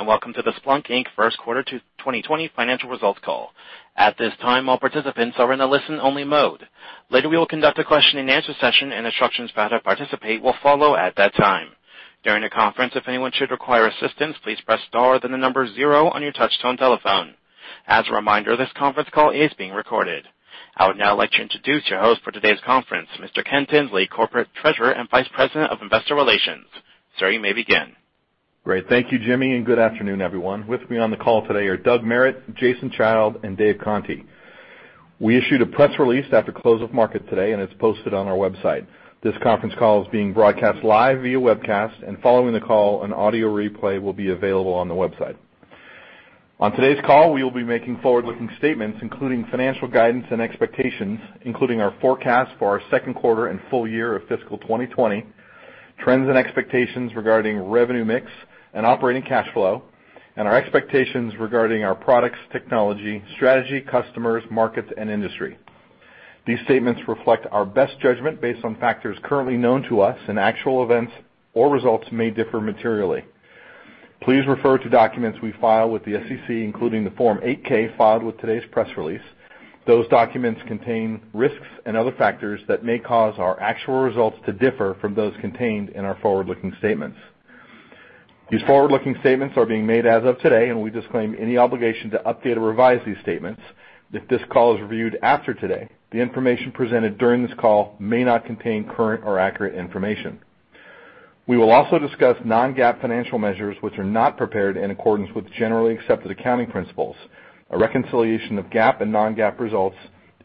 Welcome to the Splunk Inc. First Quarter 2020 Financial Results Call. At this time, all participants are in a listen-only mode. Later, we will conduct a question-and-answer session, and instructions for how to participate will follow at that time. During the conference, if anyone should require assistance, please press star, then the number zero on your touchtone telephone. As a reminder, this conference call is being recorded. I would now like to introduce your host for today's conference, Mr. Ken Tinsley, Corporate Treasurer and Vice President of Investor Relations. Sir, you may begin. Great. Thank you, Jimmy, and good afternoon, everyone. With me on the call today are Doug Merritt, Jason Child, and Dave Conte. We issued a press release after close of market today. It's posted on our website. This conference call is being broadcast live via webcast. Following the call, an audio replay will be available on the website. On today's call, we will be making forward-looking statements, including financial guidance and expectations, including our forecast for our second quarter and full year of fiscal 2020, trends and expectations regarding revenue mix and operating cash flow, and our expectations regarding our products, technology, strategy, customers, markets, and industry. These statements reflect our best judgment based on factors currently known to us. Actual events or results may differ materially. Please refer to documents we file with the SEC, including the Form 8-K filed with today's press release. Those documents contain risks and other factors that may cause our actual results to differ from those contained in our forward-looking statements. These forward-looking statements are being made as of today. We disclaim any obligation to update or revise these statements if this call is reviewed after today. The information presented during this call may not contain current or accurate information. We will also discuss non-GAAP financial measures, which are not prepared in accordance with generally accepted accounting principles. A reconciliation of GAAP and non-GAAP results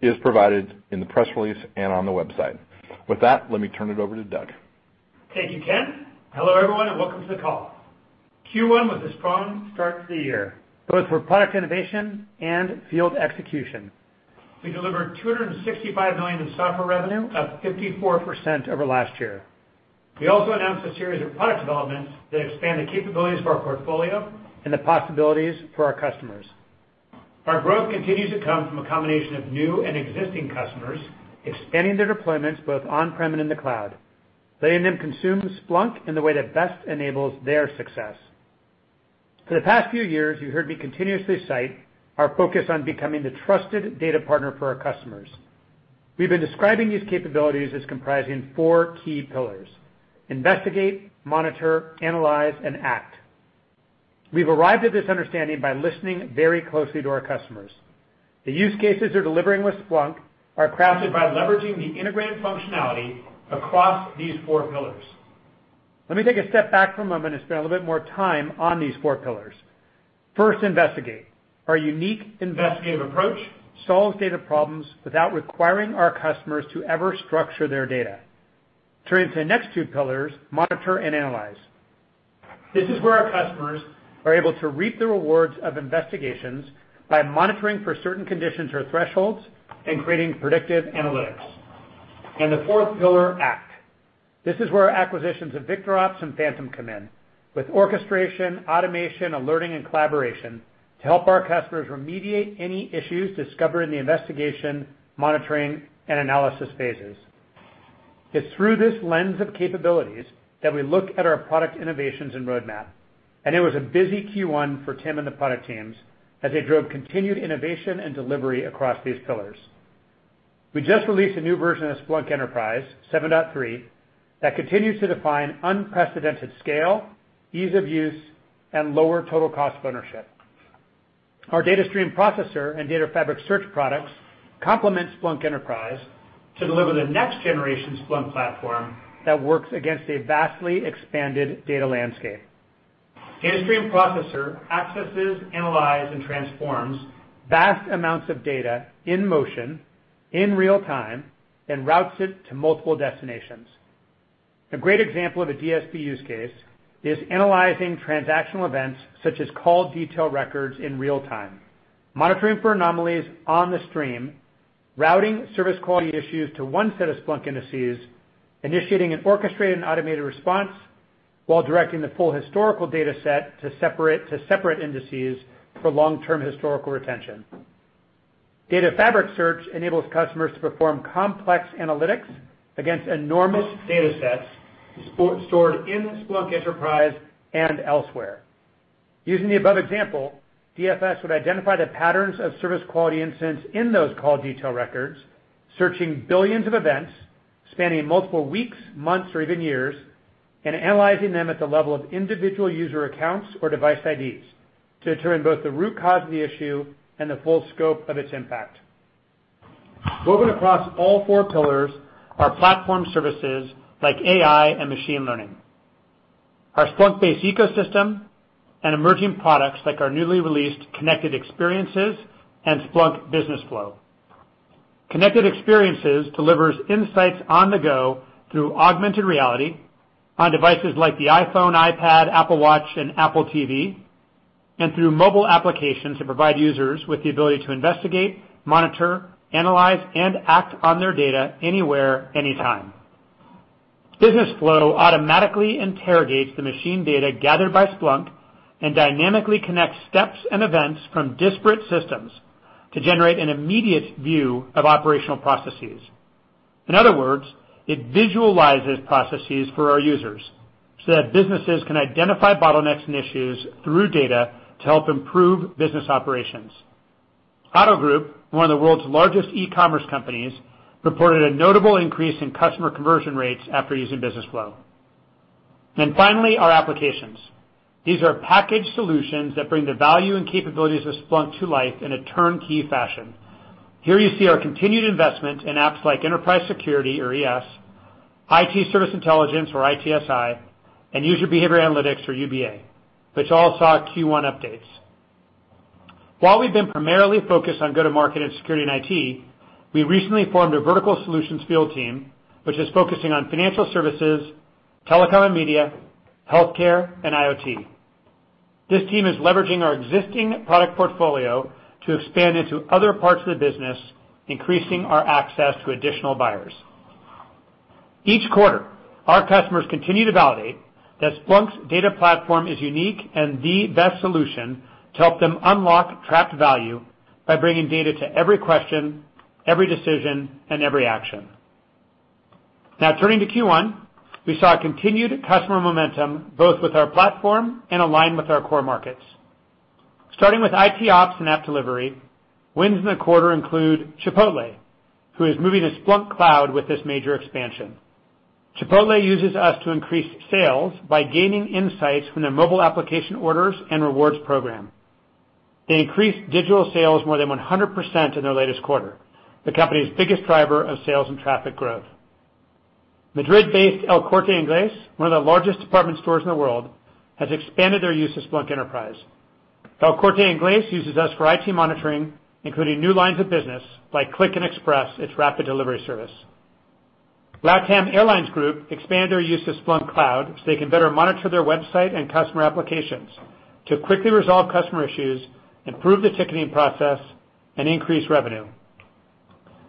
is provided in the press release and on the website. With that, let me turn it over to Doug. Thank you, Ken. Hello, everyone, and welcome to the call. Q1 was a strong start to the year, both for product innovation and field execution. We delivered $265 million in software revenue, up 54% over last year. We also announced a series of product developments that expand the capabilities of our portfolio and the possibilities for our customers. Our growth continues to come from a combination of new and existing customers expanding their deployments both on-prem and in the cloud, letting them consume Splunk in the way that best enables their success. For the past few years, you heard me continuously cite our focus on becoming the trusted data partner for our customers. We've been describing these capabilities as comprising four key pillars: investigate, monitor, analyze, and act. We've arrived at this understanding by listening very closely to our customers. The use cases they're delivering with Splunk are crafted by leveraging the integrated functionality across these four pillars. Let me take a step back for a moment and spend a little bit more time on these four pillars. First, investigate. Our unique investigative approach solves data problems without requiring our customers to ever structure their data. Turning to the next two pillars, monitor and analyze. This is where our customers are able to reap the rewards of investigations by monitoring for certain conditions or thresholds and creating predictive analytics. The fourth pillar, act. This is where our acquisitions of VictorOps and Phantom come in with orchestration, automation, alerting, and collaboration to help our customers remediate any issues discovered in the investigation, monitoring, and analysis phases. It's through this lens of capabilities that we look at our product innovations and roadmap, and it was a busy Q1 for Tim and the product teams as they drove continued innovation and delivery across these pillars. We just released a new version of Splunk Enterprise, 7.3, that continues to define unprecedented scale, ease of use, and lower total cost of ownership. Our Data Stream Processor and Data Fabric Search products complement Splunk Enterprise to deliver the next generation Splunk platform that works against a vastly expanded data landscape. Data Stream Processor accesses, analyzes, and transforms vast amounts of data in motion, in real time, and routes it to multiple destinations. A great example of a DSP use case is analyzing transactional events, such as call detail records in real time, monitoring for anomalies on the stream, routing service quality issues to one set of Splunk indices, initiating an orchestrated and automated response while directing the full historical data set to separate indices for long-term historical retention. Data Fabric Search enables customers to perform complex analytics against enormous data sets stored in Splunk Enterprise and elsewhere. Using the above example, DFS would identify the patterns of service quality incidents in those call detail records, searching billions of events spanning multiple weeks, months, or even years, and analyzing them at the level of individual user accounts or device IDs to determine both the root cause of the issue and the full scope of its impact. Woven across all four pillars are platform services like AI and machine learning, our Splunk-based ecosystem, and emerging products like our newly released Connected Experiences and Splunk Business Flow. Connected Experiences delivers insights on the go through augmented reality on devices like the iPhone, iPad, Apple Watch, and Apple TV, and through mobile applications that provide users with the ability to investigate, monitor, analyze, and act on their data anywhere, anytime. Business Flow automatically interrogates the machine data gathered by Splunk and dynamically connects steps and events from disparate systems to generate an immediate view of operational processes. In other words, it visualizes processes for our users so that businesses can identify bottlenecks and issues through data to help improve business operations. Otto Group, one of the world's largest e-commerce companies, reported a notable increase in customer conversion rates after using Business Flow. Finally, our applications. These are packaged solutions that bring the value and capabilities of Splunk to life in a turnkey fashion. Here you see our continued investment in apps like Enterprise Security, or ES, IT Service Intelligence, or ITSI, and User Behavior Analytics, or UBA, which you all saw at Q1 updates. While we've been primarily focused on go-to-market in security and IT, we recently formed a vertical solutions field team, which is focusing on financial services, telecom and media, healthcare, and IoT. This team is leveraging our existing product portfolio to expand into other parts of the business, increasing our access to additional buyers. Each quarter, our customers continue to validate that Splunk's data platform is unique and the best solution to help them unlock trapped value by bringing data to every question, every decision, and every action. Turning to Q1, we saw continued customer momentum both with our platform and aligned with our core markets. Starting with ITOps and app delivery, wins in the quarter include Chipotle, who is moving to Splunk Cloud with this major expansion. Chipotle uses us to increase sales by gaining insights from their mobile application orders and rewards program. They increased digital sales more than 100% in their latest quarter, the company's biggest driver of sales and traffic growth. Madrid-based El Corte Inglés, one of the largest department stores in the world, has expanded their use of Splunk Enterprise. El Corte Inglés uses us for IT monitoring, including new lines of business like Click&Express, its rapid delivery service. LATAM Airlines Group expanded their use of Splunk Cloud so they can better monitor their website and customer applications to quickly resolve customer issues, improve the ticketing process, and increase revenue.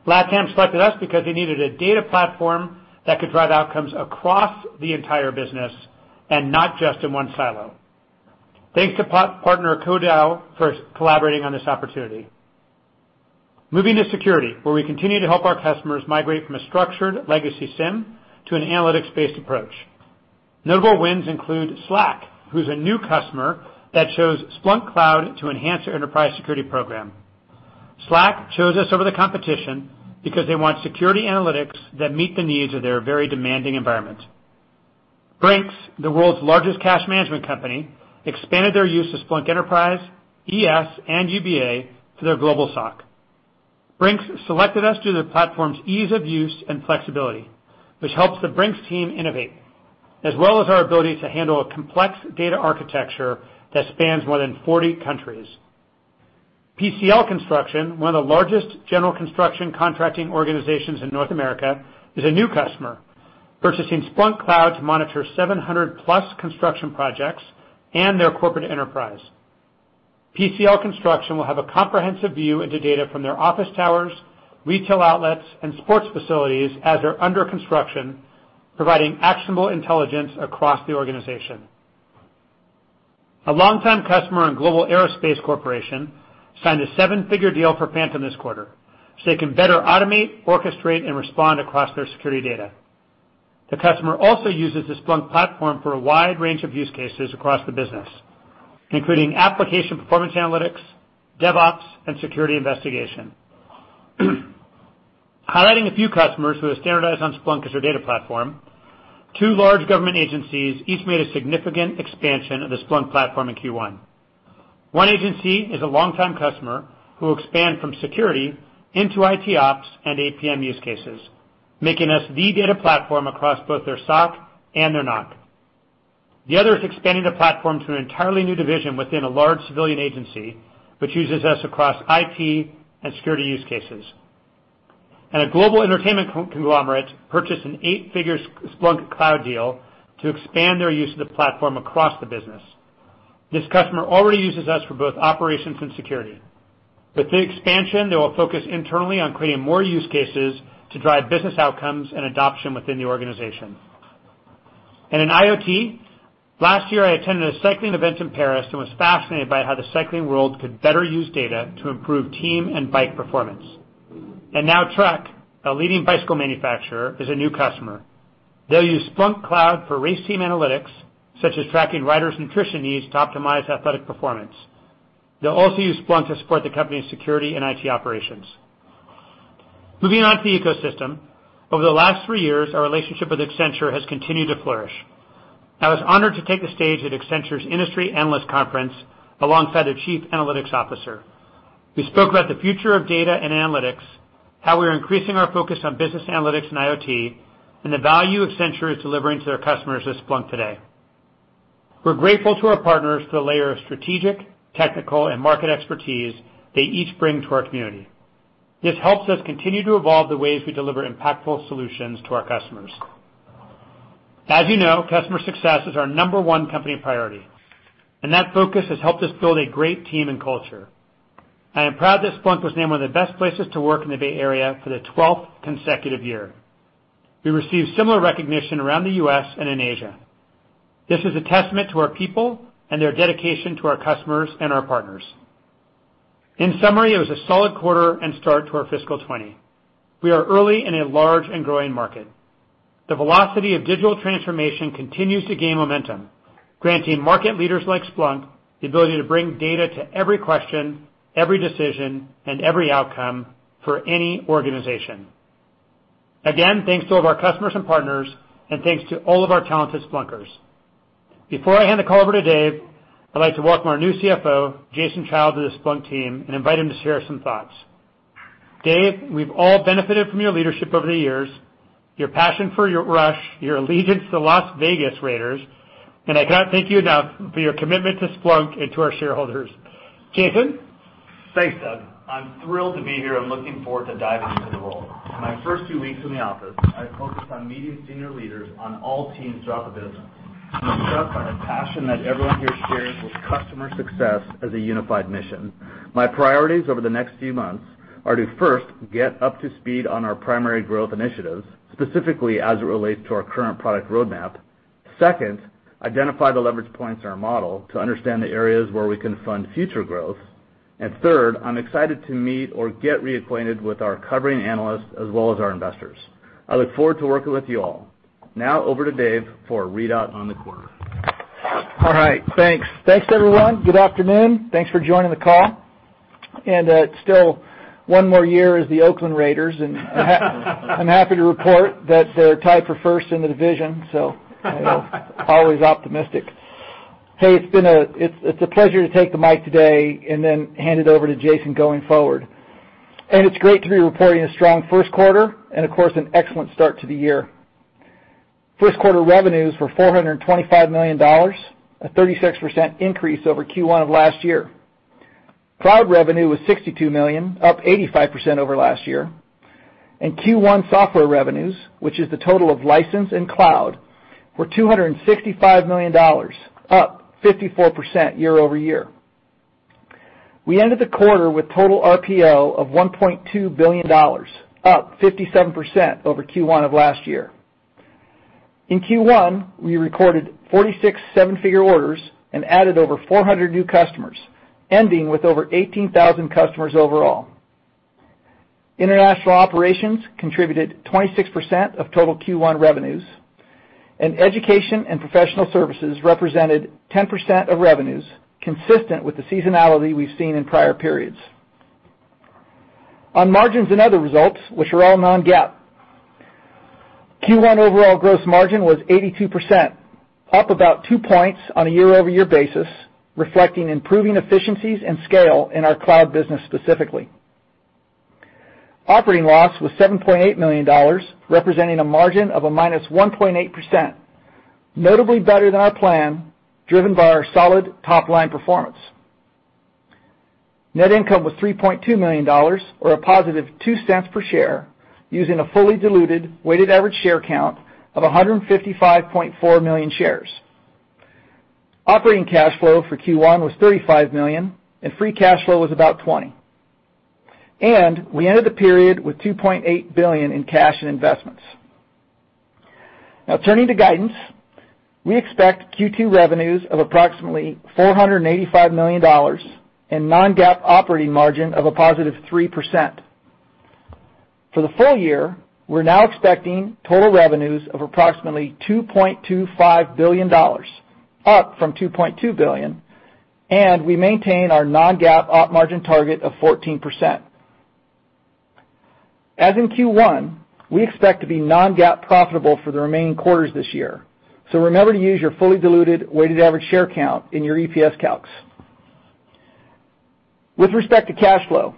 LATAM selected us because they needed a data platform that could drive outcomes across the entire business and not just in one silo. Thanks to partner Caudau for collaborating on this opportunity. Moving to security, where we continue to help our customers migrate from a structured legacy SIEM to an analytics-based approach. Notable wins include Slack, who's a new customer that chose Splunk Cloud to enhance their enterprise security program. Slack chose us over the competition because they want security analytics that meet the needs of their very demanding environment. Brink's, the world's largest cash management company, expanded their use of Splunk Enterprise, ES, and UBA to their global SOC. Brink's selected us due to the platform's ease of use and flexibility, which helps the Brink's team innovate, as well as our ability to handle a complex data architecture that spans more than 40 countries. PCL Construction, one of the largest general construction contracting organizations in North America, is a new customer, purchasing Splunk Cloud to monitor 700-plus construction projects and their corporate enterprise. PCL Construction will have a comprehensive view into data from their office towers, retail outlets, and sports facilities as they're under construction, providing actionable intelligence across the organization. A longtime customer and global aerospace corporation signed a seven-figure deal for Phantom this quarter so they can better automate, orchestrate, and respond across their security data. The customer also uses the Splunk platform for a wide range of use cases across the business, including application performance analytics, DevOps, and security investigation. Highlighting a few customers who have standardized on Splunk as their data platform, two large government agencies each made a significant expansion of the Splunk platform in Q1. One agency is a longtime customer who will expand from security into ITOps and APM use cases, making us the data platform across both their SOC and their NOC. The other is expanding the platform to an entirely new division within a large civilian agency, which uses us across IT and security use cases. A global entertainment conglomerate purchased an eight-figure Splunk Cloud deal to expand their use of the platform across the business. This customer already uses us for both operations and security. With the expansion, they will focus internally on creating more use cases to drive business outcomes and adoption within the organization. In IoT, last year, I attended a cycling event in Paris and was fascinated by how the cycling world could better use data to improve team and bike performance. Now Trek, a leading bicycle manufacturer, is a new customer. They'll use Splunk Cloud for race team analytics, such as tracking riders' nutrition needs to optimize athletic performance. They'll also use Splunk to support the company's security and IT operations. Moving on to the ecosystem, over the last three years, our relationship with Accenture has continued to flourish. I was honored to take the stage at Accenture's Industry Analyst Conference alongside their chief analytics officer. We spoke about the future of data and analytics, how we are increasing our focus on business analytics and IoT, and the value Accenture is delivering to their customers with Splunk today. We're grateful to our partners for the layer of strategic, technical, and market expertise they each bring to our community. This helps us continue to evolve the ways we deliver impactful solutions to our customers. As you know, customer success is our number 1 company priority, and that focus has helped us build a great team and culture. I am proud that Splunk was named one of the best places to work in the Bay Area for the 12th consecutive year. We received similar recognition around the U.S. and in Asia. This is a testament to our people and their dedication to our customers and our partners. In summary, it was a solid quarter and start to our fiscal 2020. We are early in a large and growing market. The velocity of digital transformation continues to gain momentum, granting market leaders like Splunk the ability to bring data to every question, every decision, and every outcome for any organization. Again, thanks to all of our customers and partners, and thanks to all of our talented Splunkers. Before I hand the call over to Dave, I'd like to welcome our new CFO, Jason Child, to the Splunk team, and invite him to share some thoughts. Dave, we've all benefited from your leadership over the years, your passion for Rush, your allegiance to the Las Vegas Raiders, and I cannot thank you enough for your commitment to Splunk and to our shareholders. Jason? Thanks, Doug. I'm thrilled to be here and looking forward to diving into the role. In my first two weeks in the office, I focused on meeting senior leaders on all teams throughout the business. I'm struck by the passion that everyone here shares with customer success as a unified mission. My priorities over the next few months are to, first, get up to speed on our primary growth initiatives, specifically as it relates to our current product roadmap. Second, identify the leverage points in our model to understand the areas where we can fund future growth. Third, I'm excited to meet or get reacquainted with our covering analysts as well as our investors. I look forward to working with you all. Now, over to Dave for a readout on the quarter. All right. Thanks. Thanks, everyone. Good afternoon. Thanks for joining the call. Still one more year as the Oakland Raiders, and I'm happy to report that they're tied for first in the division, always optimistic. Hey, it's a pleasure to take the mic today and then hand it over to Jason going forward. It's great to be reporting a strong first quarter and of course, an excellent start to the year. First quarter revenues were $425 million, a 36% increase over Q1 of last year. Cloud revenue was $62 million, up 85% over last year. Q1 software revenues, which is the total of license and cloud, were $265 million, up 54% year-over-year. We ended the quarter with total RPO of $1.2 billion, up 57% over Q1 of last year. In Q1, we recorded 46 seven-figure orders and added over 400 new customers, ending with over 18,000 customers overall. International operations contributed 26% of total Q1 revenues, education and professional services represented 10% of revenues, consistent with the seasonality we've seen in prior periods. On margins and other results, which are all non-GAAP, Q1 overall gross margin was 82%, up about two points on a year-over-year basis, reflecting improving efficiencies and scale in our cloud business specifically. Operating loss was $7.8 million, representing a margin of a -1.8%, notably better than our plan, driven by our solid top-line performance. Net income was $3.2 million, or a positive $0.02 per share, using a fully diluted weighted average share count of 155.4 million shares. Operating cash flow for Q1 was $35 million, free cash flow was about $20 million. We ended the period with $2.8 billion in cash and investments. Turning to guidance. We expect Q2 revenues of approximately $485 million and non-GAAP operating margin of a positive 3%. For the full year, we're now expecting total revenues of approximately $2.25 billion, up from $2.2 billion, and we maintain our non-GAAP op margin target of 14%. As in Q1, we expect to be non-GAAP profitable for the remaining quarters this year. Remember to use your fully diluted weighted average share count in your EPS calcs. With respect to cash flow,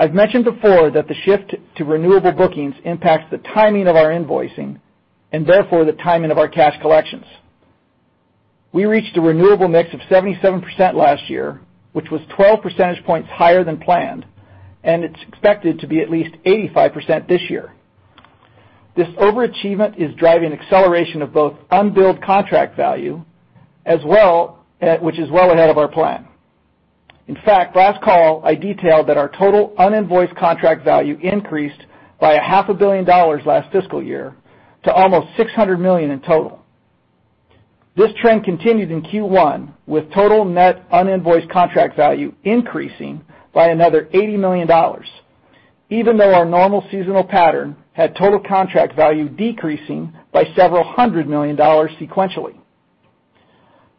I've mentioned before that the shift to renewable bookings impacts the timing of our invoicing and therefore the timing of our cash collections. We reached a renewable mix of 77% last year, which was 12 percentage points higher than planned, and it's expected to be at least 85% this year. This overachievement is driving acceleration of both unbilled contract value, which is well ahead of our plan. In fact, last call, I detailed that our total uninvoiced contract value increased by a half a billion dollars last fiscal year to almost $600 million in total. This trend continued in Q1, with total net uninvoiced contract value increasing by another $80 million, even though our normal seasonal pattern had total contract value decreasing by several hundred million dollars sequentially.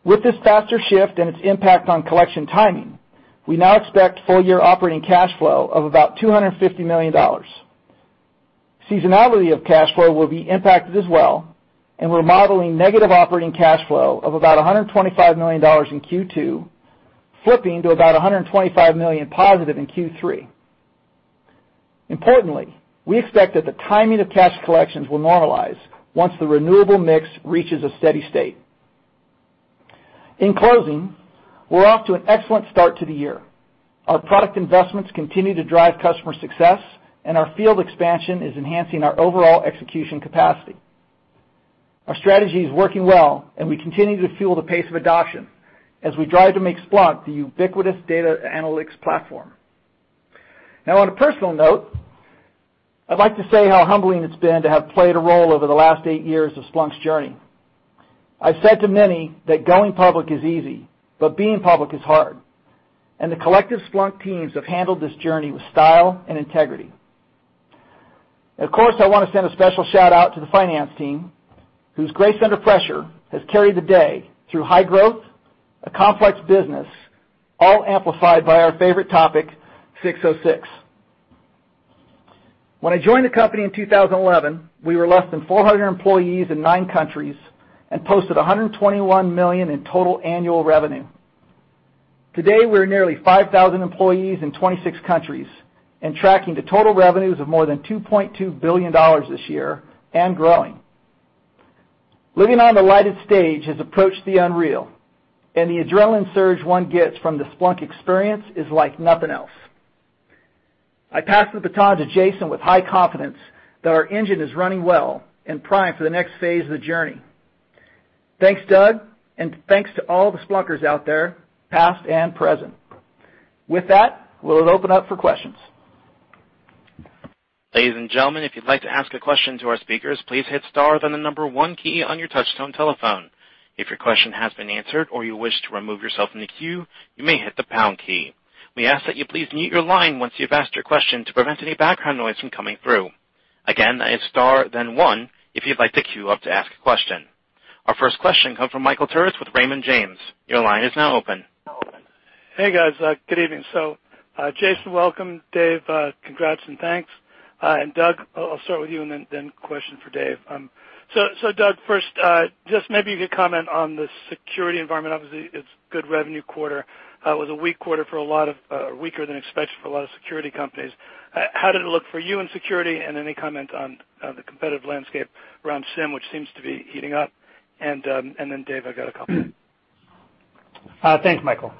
With this faster shift and its impact on collection timing, we now expect full year operating cash flow of about $250 million. Seasonality of cash flow will be impacted as well, and we're modeling negative operating cash flow of about $125 million in Q2, flipping to about $125 million positive in Q3. Importantly, we expect that the timing of cash collections will normalize once the renewable mix reaches a steady state. In closing, we're off to an excellent start to the year. Our product investments continue to drive customer success, and our field expansion is enhancing our overall execution capacity. Our strategy is working well, and we continue to fuel the pace of adoption as we drive to make Splunk the ubiquitous data analytics platform. On a personal note, I'd like to say how humbling it's been to have played a role over the last eight years of Splunk's journey. I've said to many that going public is easy, but being public is hard, and the collective Splunk teams have handled this journey with style and integrity. Of course, I want to send a special shout-out to the finance team, whose grace under pressure has carried the day through high growth, a complex business, all amplified by our favorite topic, 606. When I joined the company in 2011, we were less than 400 employees in nine countries and posted $121 million in total annual revenue. Today, we're nearly 5,000 employees in 26 countries and tracking the total revenues of more than $2.2 billion this year and growing. Living on the lighted stage has approached the unreal, and the adrenaline surge one gets from the Splunk experience is like nothing else. I pass the baton to Jason with high confidence that our engine is running well and primed for the next phase of the journey. Thanks, Doug, and thanks to all the Splunkers out there, past and present. With that, we'll open up for questions. Ladies and gentlemen, if you'd like to ask a question to our speakers, please hit star then the number one key on your touchtone telephone. If your question has been answered or you wish to remove yourself from the queue, you may hit the pound key. We ask that you please mute your line once you've asked your question to prevent any background noise from coming through. Again, that is star, then one if you'd like to queue up to ask a question. Our first question comes from Michael Turits with Raymond James. Your line is now open. Hey, guys. Good evening. Jason, welcome. Dave, congrats and thanks. Doug, I'll start with you and then a question for Dave. Doug, first, just maybe you could comment on the security environment. Obviously, it's good revenue quarter. It was a weak quarter, weaker than expected for a lot of security companies. How did it look for you in security? Any comment on the competitive landscape around SIEM, which seems to be heating up? Then Dave, I've got a couple. Thanks, Michael.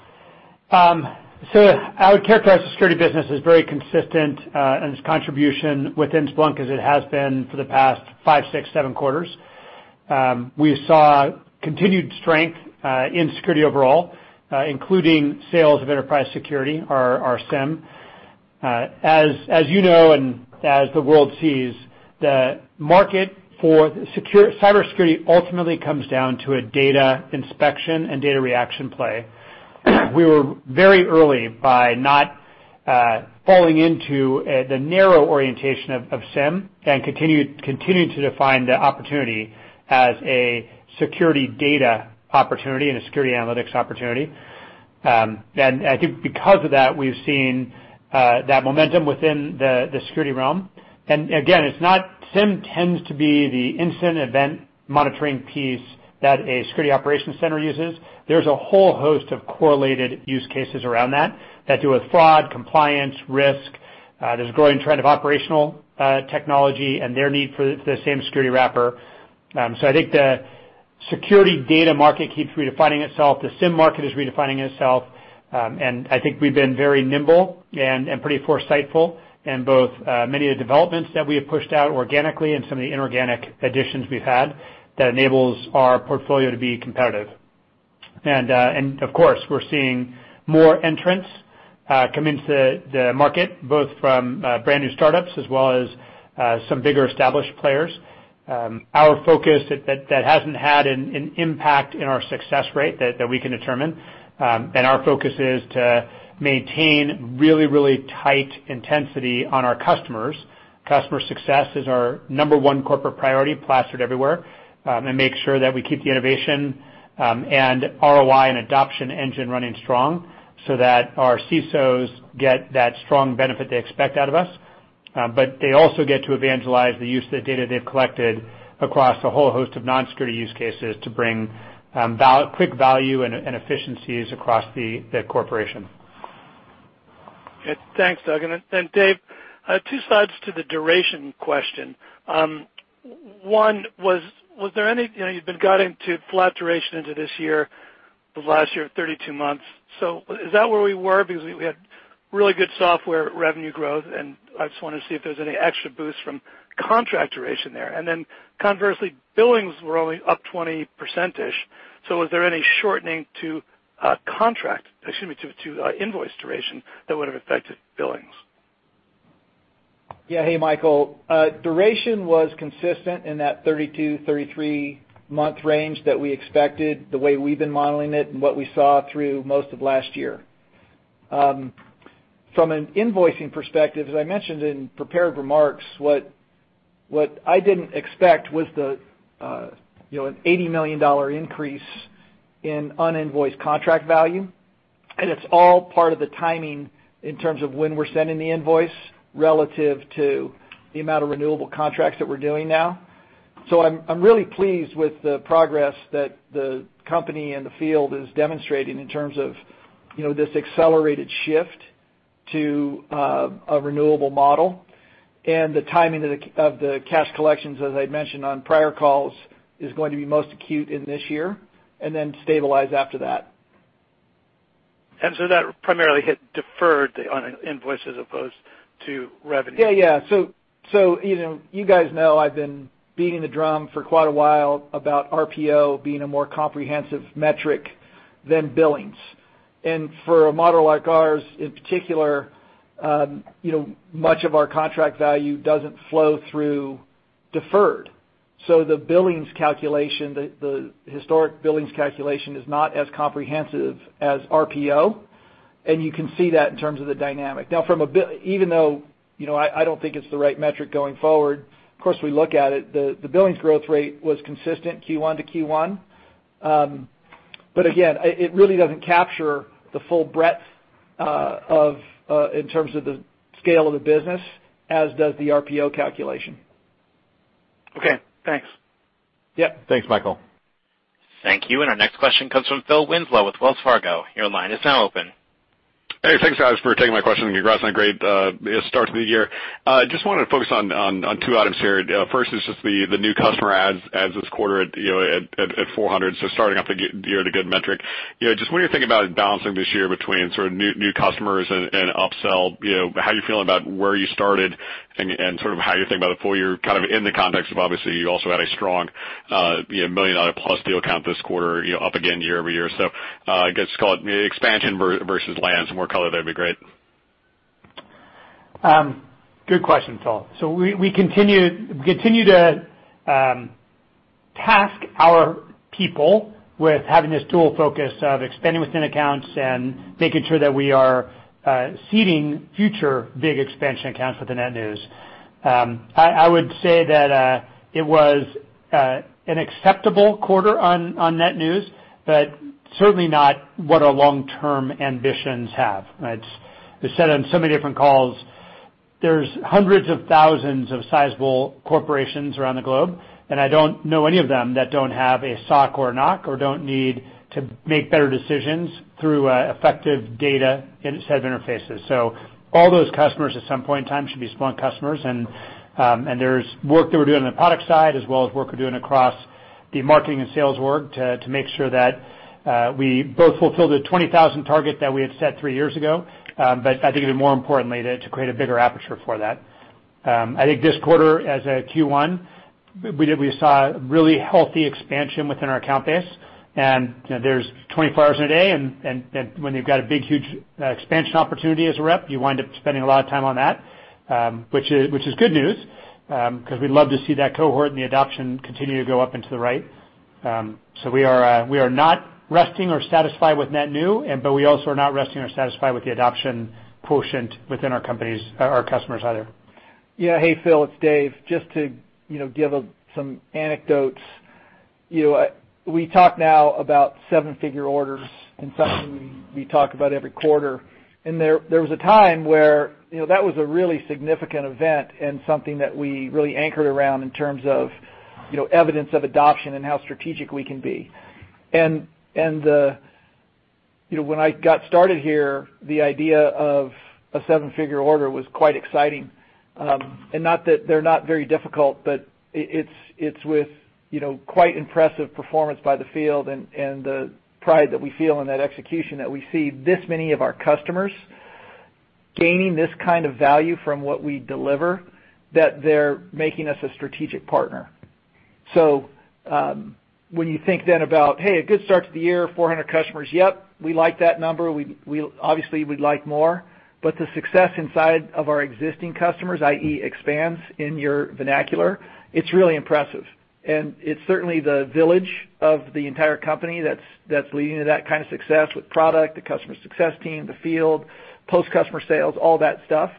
I would characterize the security business as very consistent in its contribution within Splunk as it has been for the past five, six, seven quarters. We saw continued strength in security overall, including sales of Enterprise Security, our SIEM. As you know, as the world sees, the market for cybersecurity ultimately comes down to a data inspection and data reaction play. We were very early by not falling into the narrow orientation of SIEM and continued to define the opportunity as a security data opportunity and a security analytics opportunity. I think because of that, we've seen that momentum within the security realm. Again, SIEM tends to be the incident event monitoring piece that a security operations center uses. There's a whole host of correlated use cases around that deal with fraud, compliance, risk. There's a growing trend of operational technology and their need for the same security wrapper. I think the security data market keeps redefining itself. The SIEM market is redefining itself. I think we've been very nimble and pretty foresightful in both many of the developments that we have pushed out organically and some of the inorganic additions we've had that enables our portfolio to be competitive. Of course, we're seeing more entrants come into the market, both from brand new startups as well as some bigger established players. Our focus that hasn't had an impact in our success rate that we can determine, and our focus is to maintain really tight intensity on our customers. Customer success is our number one corporate priority, plastered everywhere, and make sure that we keep the innovation and ROI and adoption engine running strong, so that our CSOs get that strong benefit they expect out of us. They also get to evangelize the use of the data they've collected across a whole host of non-security use cases to bring quick value and efficiencies across the corporation. Thanks, Doug. Dave, two sides to the duration question. You've been guiding to flat duration into this year, the last year, 32 months. Is that where we were? Because we had really good software revenue growth, and I just want to see if there's any extra boost from contract duration there. Then conversely, billings were only up 20%-ish, was there any shortening to invoice duration that would have affected billings? Hey, Michael. Duration was consistent in that 32, 33 month range that we expected, the way we've been modeling it and what we saw through most of last year. From an invoicing perspective, as I mentioned in prepared remarks, what I didn't expect was an $80 million increase in uninvoiced contract value. It's all part of the timing in terms of when we're sending the invoice relative to the amount of renewable contracts that we're doing now. I'm really pleased with the progress that the company and the field is demonstrating in terms of this accelerated shift to a renewable model, and the timing of the cash collections, as I mentioned on prior calls, is going to be most acute in this year and then stabilize after that. That primarily hit deferred on invoices as opposed to revenue. Yeah. You guys know I've been beating the drum for quite a while about RPO being a more comprehensive metric than billings. For a model like ours in particular, much of our contract value doesn't flow through deferred. The historic billings calculation is not as comprehensive as RPO, and you can see that in terms of the dynamic. Even though I don't think it's the right metric going forward, of course, we look at it, the billings growth rate was consistent Q1 to Q1. Again, it really doesn't capture the full breadth in terms of the scale of the business, as does the RPO calculation. Okay, thanks. Yep. Thanks, Michael. Thank you. Our next question comes from Phil Winslow with Wells Fargo. Your line is now open. Hey, thanks, guys, for taking my question, congrats on a great start to the year. Wanted to focus on two items here. First is just the new customer adds this quarter at 400, starting off the year at a good metric. When you're thinking about balancing this year between sort of new customers and upsell, how are you feeling about where you started and sort of how you think about the full year, kind of in the context of obviously you also had a strong million-dollar-plus deal count this quarter, up again year-over-year. I guess, call it expansion versus lands. More color there would be great. Good question, Phil. We continue to task our people with having this dual focus of expanding within accounts and making sure that we are seeding future big expansion accounts with the net news. I would say that it was an acceptable quarter on net news, certainly not what our long-term ambitions have. It's said on so many different calls, there's hundreds of thousands of sizable corporations around the globe, and I don't know any of them that don't have a SOC or a NOC or don't need to make better decisions through effective data set of interfaces. All those customers, at some point in time, should be Splunk customers. There's work that we're doing on the product side, as well as work we're doing across the marketing and sales org to make sure that we both fulfill the 20,000 target that we had set three years ago. I think even more importantly, to create a bigger aperture for that. I think this quarter as a Q1, we saw a really healthy expansion within our account base. There's 24 hours in a day, and when you've got a big, huge expansion opportunity as a rep, you wind up spending a lot of time on that. Which is good news, because we'd love to see that cohort and the adoption continue to go up into the right. We are not resting or satisfied with net new, we also are not resting or satisfied with the adoption quotient within our customers either. Hey, Phil, it's Dave. Just to give some anecdotes. We talk now about seven-figure orders and something we talk about every quarter, there was a time where that was a really significant event and something that we really anchored around in terms of evidence of adoption and how strategic we can be. When I got started here, the idea of a seven-figure order was quite exciting. Not that they're not very difficult, but it's with quite impressive performance by the field and the pride that we feel in that execution that we see this many of our customers gaining this kind of value from what we deliver, that they're making us a strategic partner. When you think then about, hey, a good start to the year, 400 customers, yep, we like that number. Obviously, we'd like more. The success inside of our existing customers, i.e., expands in your vernacular, it's really impressive. It's certainly the village of the entire company that's leading to that kind of success with product, the customer success team, the field, post-customer sales, all that stuff.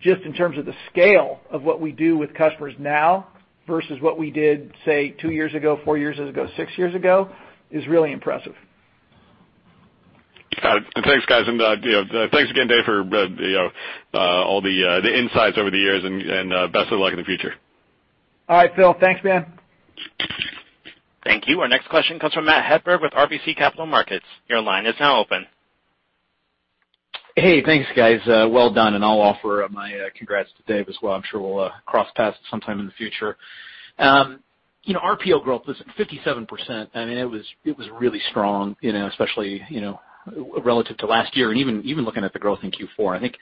Just in terms of the scale of what we do with customers now versus what we did, say, two years ago, four years ago, six years ago, is really impressive. Got it. Thanks, guys. Thanks again, Dave, for all the insights over the years and best of luck in the future. All right, Phil. Thanks, man. Thank you. Our next question comes from Matt Hedberg with RBC Capital Markets. Your line is now open. Hey, thanks, guys. Well done, and I'll offer my congrats to Dave as well. I'm sure we'll cross paths sometime in the future. RPO growth was at 57%. I mean, it was really strong, especially relative to last year and even looking at the growth in Q4. I think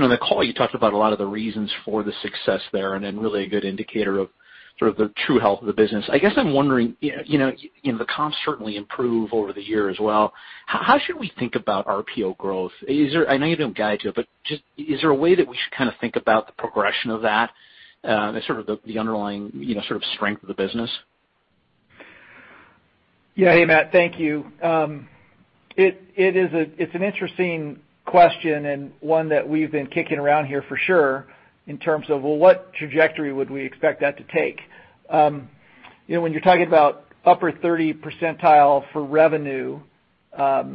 on the call, you talked about a lot of the reasons for the success there and then really a good indicator of sort of the true health of the business. I guess I'm wondering, the comps certainly improve over the year as well. How should we think about RPO growth? I know you don't guide to it, just is there a way that we should kind of think about the progression of that as sort of the underlying sort of strength of the business? Yeah. Hey, Matt. Thank you. It's an interesting question and one that we've been kicking around here for sure in terms of, well, what trajectory would we expect that to take? When you're talking about upper 30 percentile for revenue at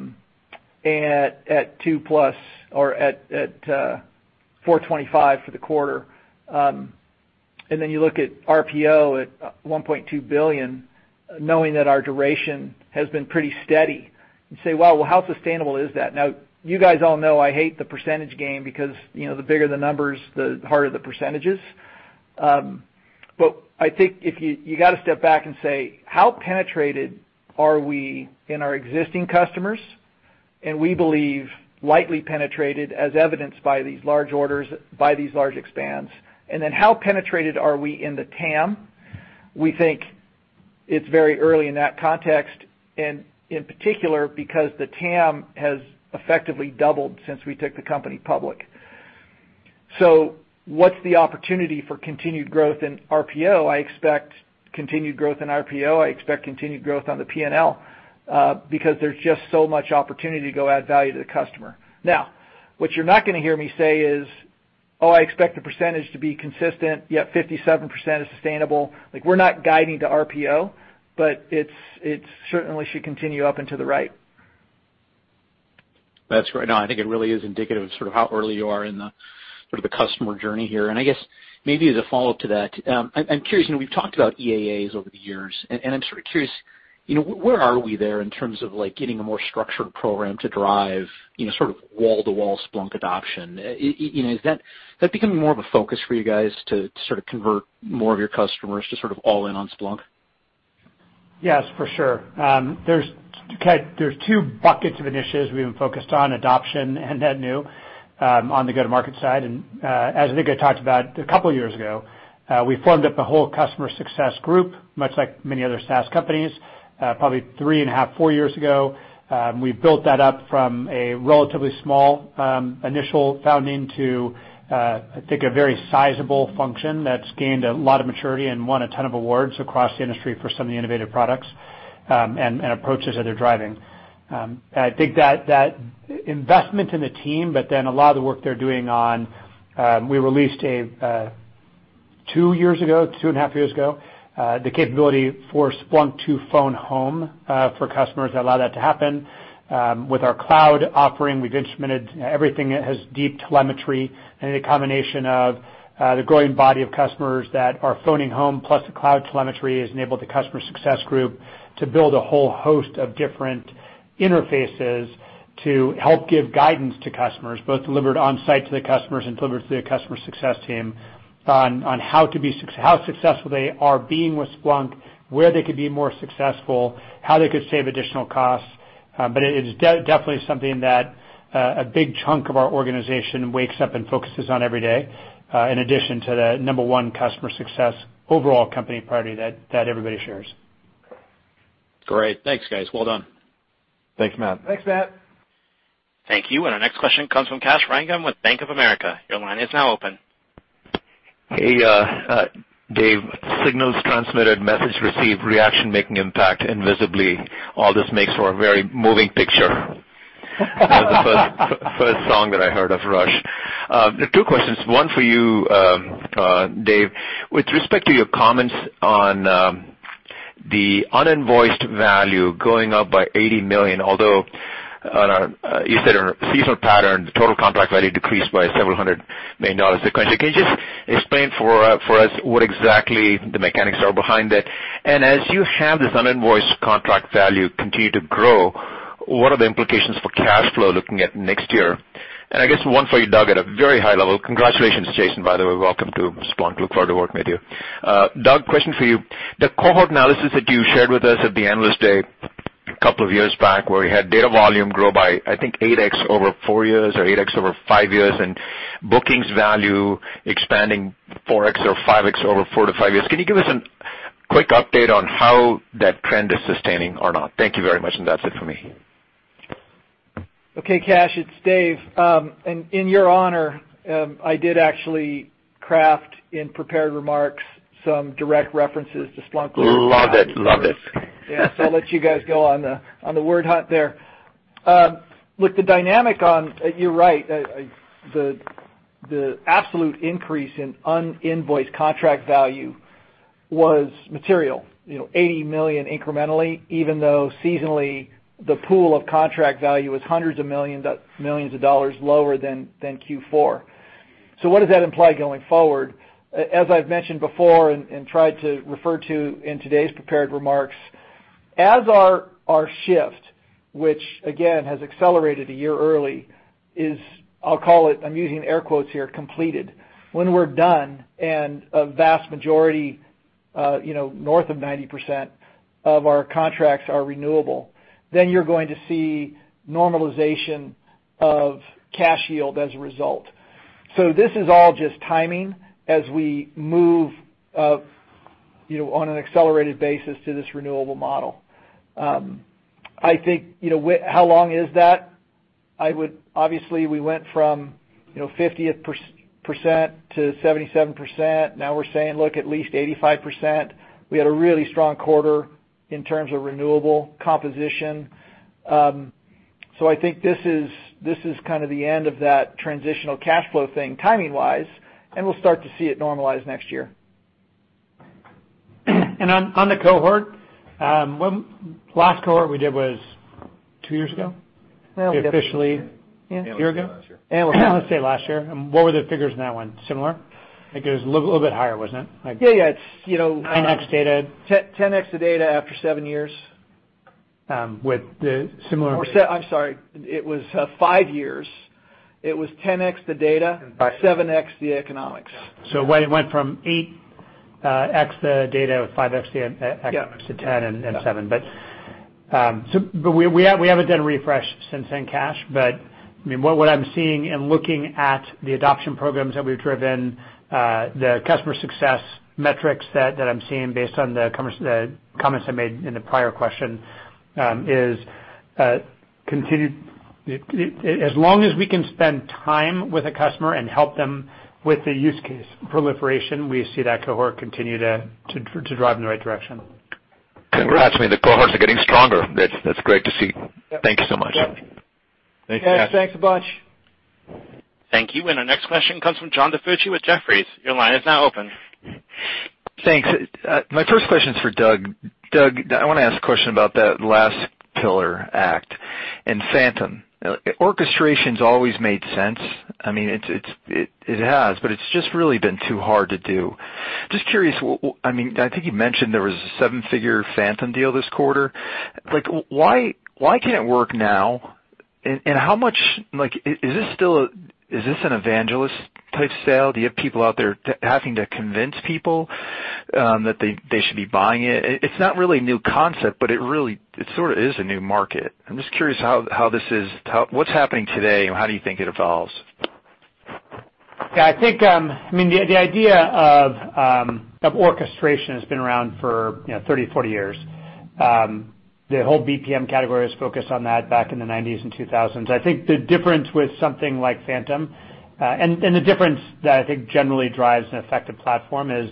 two-plus or at 425 for the quarter, and then you look at RPO at $1.2 billion, knowing that our duration has been pretty steady, and say, "Wow, well, how sustainable is that?" You guys all know I hate the percentage game because the bigger the numbers, the harder the percentages. I think you got to step back and say, how penetrated are we in our existing customers? We believe lightly penetrated, as evidenced by these large orders, by these large expands. Then how penetrated are we in the TAM? It's very early in that context, and in particular, because the TAM has effectively doubled since we took the company public. What's the opportunity for continued growth in RPO? I expect continued growth in RPO. I expect continued growth on the P&L because there's just so much opportunity to go add value to the customer. What you're not going to hear me say is, "Oh, I expect the percentage to be consistent, yet 57% is sustainable." We're not guiding to RPO, it certainly should continue up and to the right. I guess maybe as a follow-up to that, I'm curious, we've talked about EAAs over the years, and I'm sort of curious, where are we there in terms of getting a more structured program to drive wall-to-wall Splunk adoption? Is that becoming more of a focus for you guys to convert more of your customers to all in on Splunk? Yes, for sure. There's two buckets of initiatives we've been focused on, adoption and net new on the go-to-market side. As I think I talked about a couple of years ago, we formed up a whole customer success group, much like many other SaaS companies, probably three and a half, four years ago. We built that up from a relatively small initial founding to I think a very sizable function that's gained a lot of maturity and won a ton of awards across the industry for some of the innovative products and approaches that they're driving. I think that investment in the team, a lot of the work they're doing on, we released two years ago, two and a half years ago, the capability for Splunk to phone home for customers that allow that to happen. With our cloud offering, we've instrumented everything that has deep telemetry. The combination of the growing body of customers that are phoning home, plus the cloud telemetry, has enabled the customer success group to build a whole host of different interfaces to help give guidance to customers, both delivered on-site to the customers and delivered through the customer success team on how successful they are being with Splunk, where they could be more successful, how they could save additional costs. It is definitely something that a big chunk of our organization wakes up and focuses on every day, in addition to the number 1 customer success overall company priority that everybody shares. Great. Thanks, guys. Well done. Thanks, Matt. Thanks, Matt. Thank you. Our next question comes from Kash Rangan with Bank of America. Your line is now open. Hey Dave. Signals transmitted, message received, reaction making impact invisibly. All this makes for a very moving picture. The first song that I heard of Rush. Two questions, one for you, Dave. With respect to your comments on the uninvoiced value going up by $80 million, although you said on a seasonal pattern, the total contract value decreased by several hundred million dollars. Can you just explain for us what exactly the mechanics are behind it? As you have this uninvoiced contract value continue to grow, what are the implications for cash flow looking at next year? I guess one for you, Doug, at a very high level. Congratulations, Jason, by the way. Welcome to Splunk. Look forward to working with you. Doug, question for you. The cohort analysis that you shared with us at the Analyst Day a couple of years back where we had data volume grow by, I think 8X over 4 years or 8X over 5 years, and bookings value expanding 4X or 5X over 4-5 years. Can you give us a quick update on how that trend is sustaining or not? Thank you very much, and that's it for me. Kash, it's Dave. In your honor, I did actually craft in prepared remarks some direct references to Splunk. Love it. I'll let you guys go on the word hunt there. With the dynamic on, you're right. The absolute increase in uninvoiced contract value was material, $80 million incrementally, even though seasonally the pool of contract value was hundreds of millions of dollars lower than Q4. What does that imply going forward? As I've mentioned before and tried to refer to in today's prepared remarks, as our shift, which again has accelerated a year early, is I'll call it, I'm using air quotes here, completed. When we're done and a vast majority north of 90% of our contracts are renewable, then you're going to see normalization of cash yield as a result. This is all just timing as we move on an accelerated basis to this renewable model. I think how long is that? Obviously we went from 50% to 77%. Now we're saying, look, at least 85%. We had a really strong quarter in terms of renewable composition. I think this is kind of the end of that transitional cash flow thing timing-wise, and we'll start to see it normalize next year. On the cohort, last cohort we did was two years ago? Yeah. A year ago? Analyst Day last year. Analyst Day last year. What were the figures in that one? Similar? I think it was a little bit higher, wasn't it? Yeah. 10x data. 10x the data after seven years. With the similar- I'm sorry. It was five years. It was 10x the data, 7x the economics. It went from 8x the data with 5x the economics to 10 and seven. We haven't done a refresh since then, Kash. What I'm seeing in looking at the adoption programs that we've driven, the customer success metrics that I'm seeing based on the comments I made in the prior question is, as long as we can spend time with a customer and help them with the use case proliferation, we see that cohort continue to drive in the right direction. Congrats. The cohorts are getting stronger. That's great to see. Yep. Thank you so much. Yep. Thanks, Kash. Kash, thanks a bunch. Thank you. Our next question comes from John DiFucci with Jefferies. Your line is now open. Thanks. My first question is for Doug. Doug, I want to ask a question about that last pillar, act, and Phantom. Orchestration's always made sense. It has, but it's just really been too hard to do. Just curious, I think you mentioned there was a seven-figure Phantom deal this quarter. Why can it work now, and is this an evangelist-type sale? Do you have people out there having to convince people that they should be buying it? It's not really a new concept, but it sort of is a new market. I'm just curious, what's happening today and how do you think it evolves? I think the idea of orchestration has been around for 30, 40 years. The whole BPM category was focused on that back in the '90s and 2000s. I think the difference with something like Phantom, and the difference that I think generally drives an effective platform is,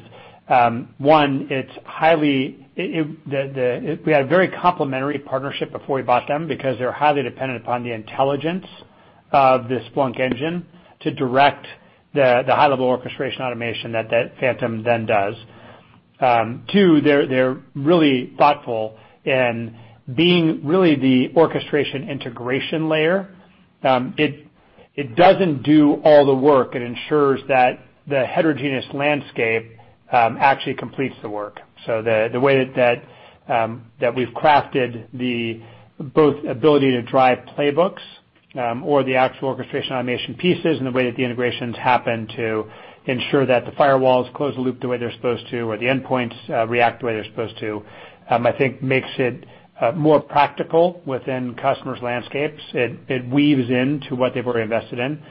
1, we had a very complimentary partnership before we bought them because they're highly dependent upon the intelligence of the Splunk engine to direct the high-level orchestration automation that Phantom then does. 2, they're really thoughtful in being really the orchestration integration layer. It doesn't do all the work. It ensures that the heterogeneous landscape actually completes the work. The way that we've crafted both the ability to drive playbooks, or the actual orchestration automation pieces, and the way that the integrations happen to ensure that the firewalls close the loop the way they're supposed to, or the endpoints react the way they're supposed to, I think makes it more practical within customers' landscapes. It weaves into what they've already invested in.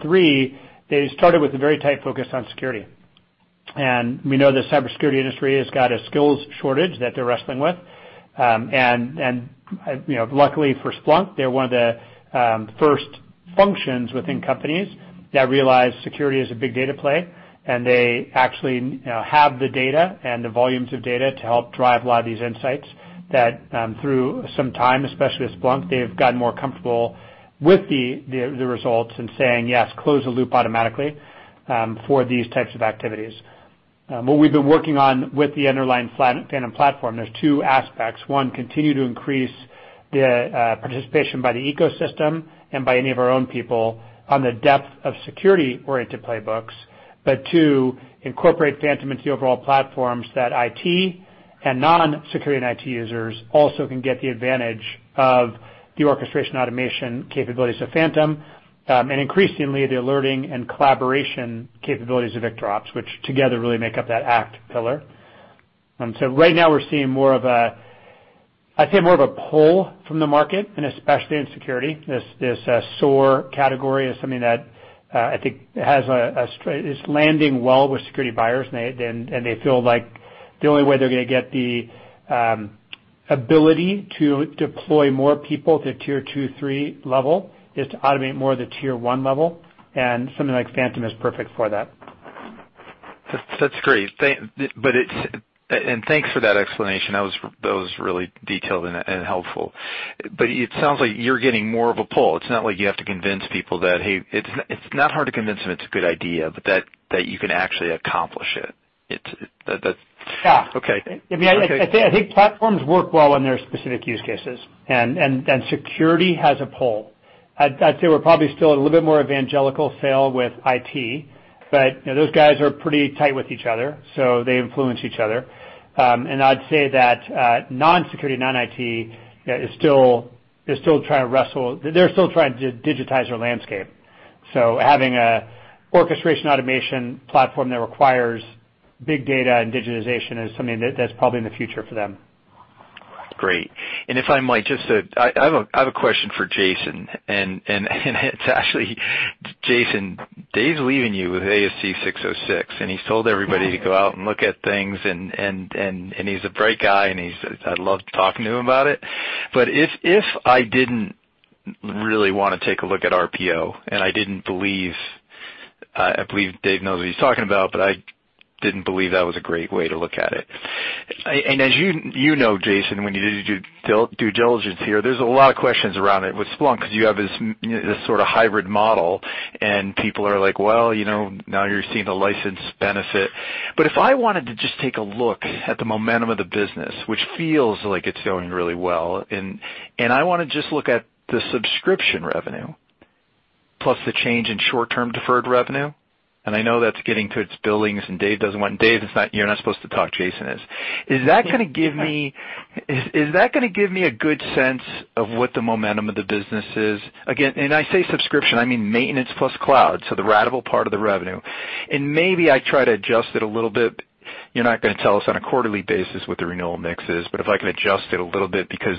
3, they started with a very tight focus on security. We know the cybersecurity industry has got a skills shortage that they're wrestling with. Luckily for Splunk, they're one of the first functions within companies that realize security is a big data play, and they actually have the data and the volumes of data to help drive a lot of these insights that, through some time, especially with Splunk, they've gotten more comfortable with the results and saying, "Yes, close the loop automatically for these types of activities." What we've been working on with the underlying Phantom platform, there's two aspects. 1, continue to increase the participation by the ecosystem and by any of our own people on the depth of security-oriented playbooks. 2, incorporate Phantom into the overall platforms that IT and non-security and IT users also can get the advantage of the orchestration automation capabilities of Phantom. Increasingly, the alerting and collaboration capabilities of VictorOps, which together really make up that act pillar. Right now we're seeing I'd say, more of a pull from the market, especially in security. This SOAR category is something that I think is landing well with security buyers, and they feel like the only way they're going to get the ability to deploy more people to tier 2, 3 level is to automate more of the tier 1 level, and something like Phantom is perfect for that. That's great. Thanks for that explanation. That was really detailed and helpful. It sounds like you're getting more of a pull. It's not like you have to convince people that It's not hard to convince them it's a good idea, but that you can actually accomplish it. Yeah. Okay. I think platforms work well in their specific use cases, security has a pull. I'd say we're probably still a little bit more evangelical sale with IT, those guys are pretty tight with each other, so they influence each other. I'd say that non-security, non-IT is still trying to digitize their landscape. Having an orchestration automation platform that requires big data and digitization is something that's probably in the future for them. Great. If I might, I have a question for Jason, it's actually, Jason, Dave's leaving you with ASC 606, he's told everybody to go out and look at things, he's a bright guy, I loved talking to him about it. If I didn't really want to take a look at RPO, I believe Dave knows what he's talking about, but I didn't believe that was a great way to look at it. As you know, Jason, when you did your due diligence here, there's a lot of questions around it with Splunk because you have this sort of hybrid model, and people are like, "Well, now you're seeing the license benefit." If I wanted to just take a look at the momentum of the business, which feels like it's going really well, I want to just look at the subscription revenue plus the change in short-term deferred revenue. I know that's getting to its billings, and Dave, you're not supposed to talk, Jason is. Is that going to give me a good sense of what the momentum of the business is? Again, I say subscription, I mean maintenance plus cloud, so the ratable part of the revenue. Maybe I try to adjust it a little bit. You're not going to tell us on a quarterly basis what the renewal mix is, if I can adjust it a little bit, because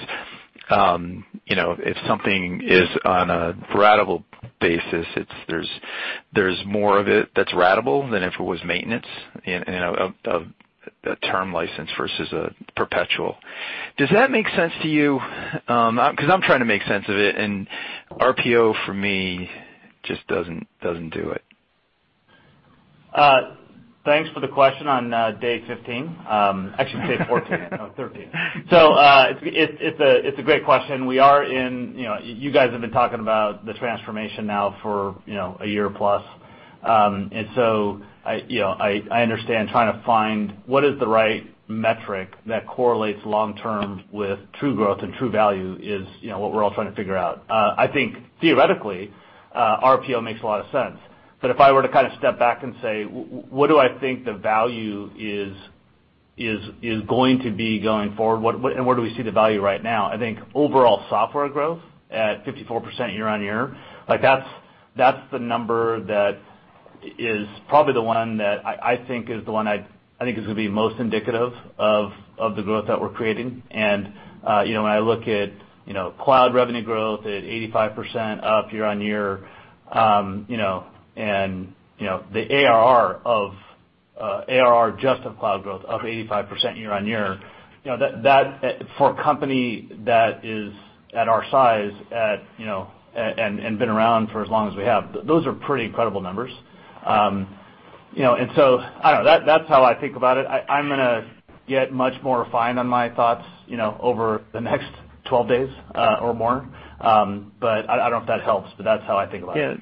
if something is on a ratable basis, there's more of it that's ratable than if it was maintenance, a term license versus a perpetual. Does that make sense to you? I'm trying to make sense of it, and RPO for me just doesn't do it. Thanks for the question on day 15. Actually, day 14, no, 13. It's a great question. You guys have been talking about the transformation now for a year plus. I understand trying to find what is the right metric that correlates long-term with true growth and true value is what we're all trying to figure out. I think theoretically, RPO makes a lot of sense. If I were to step back and say, what do I think the value is going to be going forward, and where do we see the value right now? I think overall software growth at 54% year-on-year, that's the number that is probably the one that I think is going to be most indicative of the growth that we're creating. When I look at cloud revenue growth at 85% up year-on-year, and the ARR just of cloud growth up 85% year-on-year, for a company that is at our size and been around for as long as we have, those are pretty incredible numbers. I don't know. That's how I think about it. I'm going to get much more refined on my thoughts over the next 12 days or more. I don't know if that helps, but that's how I think about it.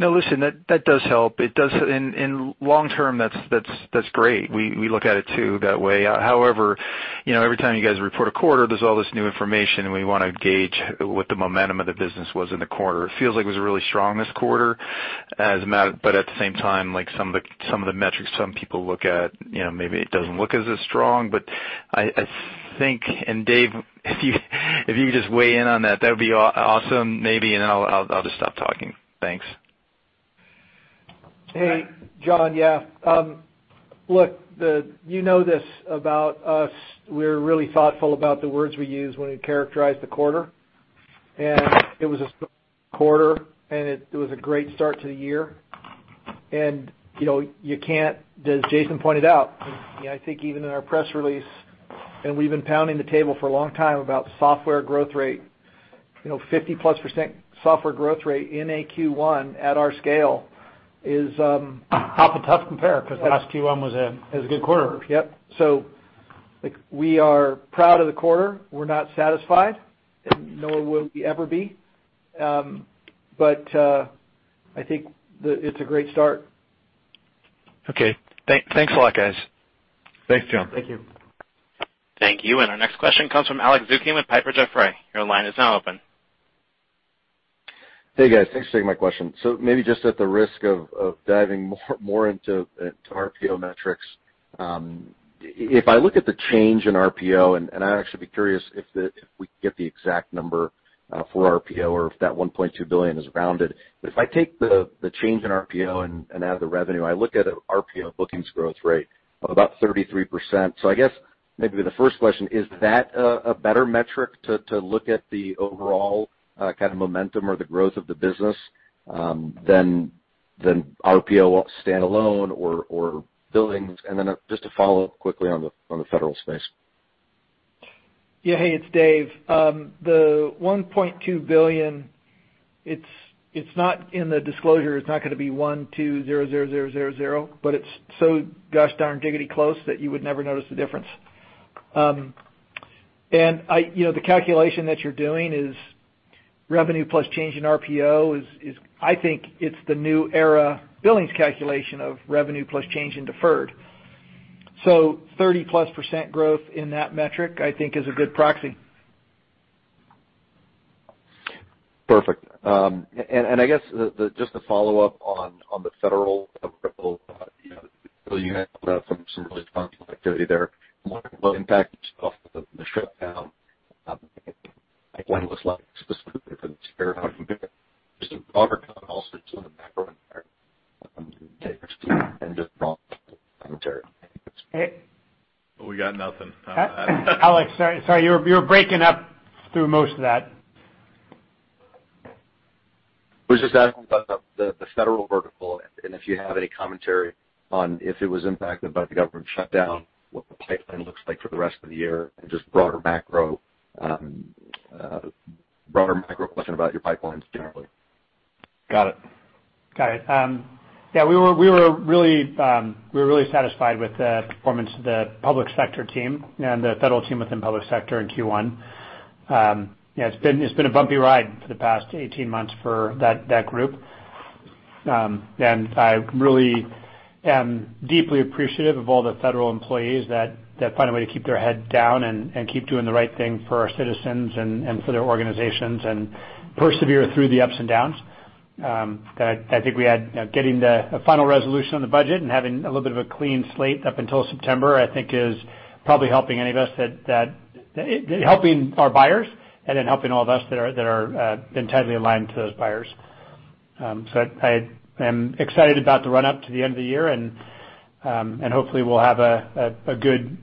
No, listen, that does help. Long term, that's great. We look at it too that way. However, every time you guys report a quarter, there's all this new information, and we want to gauge what the momentum of the business was in the quarter. It feels like it was really strong this quarter. At the same time, some of the metrics some people look at, maybe it doesn't look as strong, but I think, Dave, if you just weigh in on that would be awesome maybe, and then I'll just stop talking. Thanks. Hey, John. Look, you know this about us. We're really thoughtful about the words we use when we characterize the quarter. It was a strong quarter, and it was a great start to the year. As Jason pointed out, I think even in our press release, and we've been pounding the table for a long time about software growth rate, 50-plus % software growth rate in a Q1 at our scale is- Half a tough compare because last Q1 was a good quarter. Yep. We are proud of the quarter. We're not satisfied, and nor will we ever be. I think it's a great start. Okay. Thanks a lot, guys. Thanks, John. Thank you. Thank you. Our next question comes from Alex Zukin with Piper Jaffray. Your line is now open. Hey, guys. Thanks for taking my question. Maybe just at the risk of diving more into RPO metrics, if I look at the change in RPO, and I'd actually be curious if we could get the exact number for RPO or if that $1.2 billion is rounded. If I take the change in RPO and add the revenue, I look at RPO bookings growth rate of about 33%. I guess maybe the first question, is that a better metric to look at the overall kind of momentum or the growth of the business than RPO standalone or billings? Just to follow up quickly on the federal space. Yeah. Hey, it's Dave. The $1.2 billion, it's not in the disclosure. It's not going to be 1,200,000,000, it's so gosh darn diggity close that you would never notice the difference. The calculation that you're doing is revenue plus change in RPO is, I think it's the new era billings calculation of revenue plus change in deferred. 30-plus % growth in that metric, I think is a good proxy. Perfect. I guess just to follow up on the federal vertical, you had some really strong activity there. I'm wondering what impact it's off of the shutdown, what it looks like specifically for this year, how it compares to broader comp also just on the macro environment there. Just broader commentary. We got nothing on that. Alex, sorry. You were breaking up through most of that. was just asking about the federal vertical, and if you have any commentary on if it was impacted by the government shutdown, what the pipeline looks like for the rest of the year, and just broader macro question about your pipelines generally. Got it. Got it. Yeah, we were really satisfied with the performance of the public sector team and the federal team within public sector in Q1. Yeah, it's been a bumpy ride for the past 18 months for that group. I really am deeply appreciative of all the federal employees that find a way to keep their head down and keep doing the right thing for our citizens and for their organizations and persevere through the ups and downs. I think getting the final resolution on the budget and having a little bit of a clean slate up until September, I think is probably helping any of us Helping our buyers helping all of us that are tightly aligned to those buyers. I am excited about the run-up to the end of the year, and hopefully we'll have a good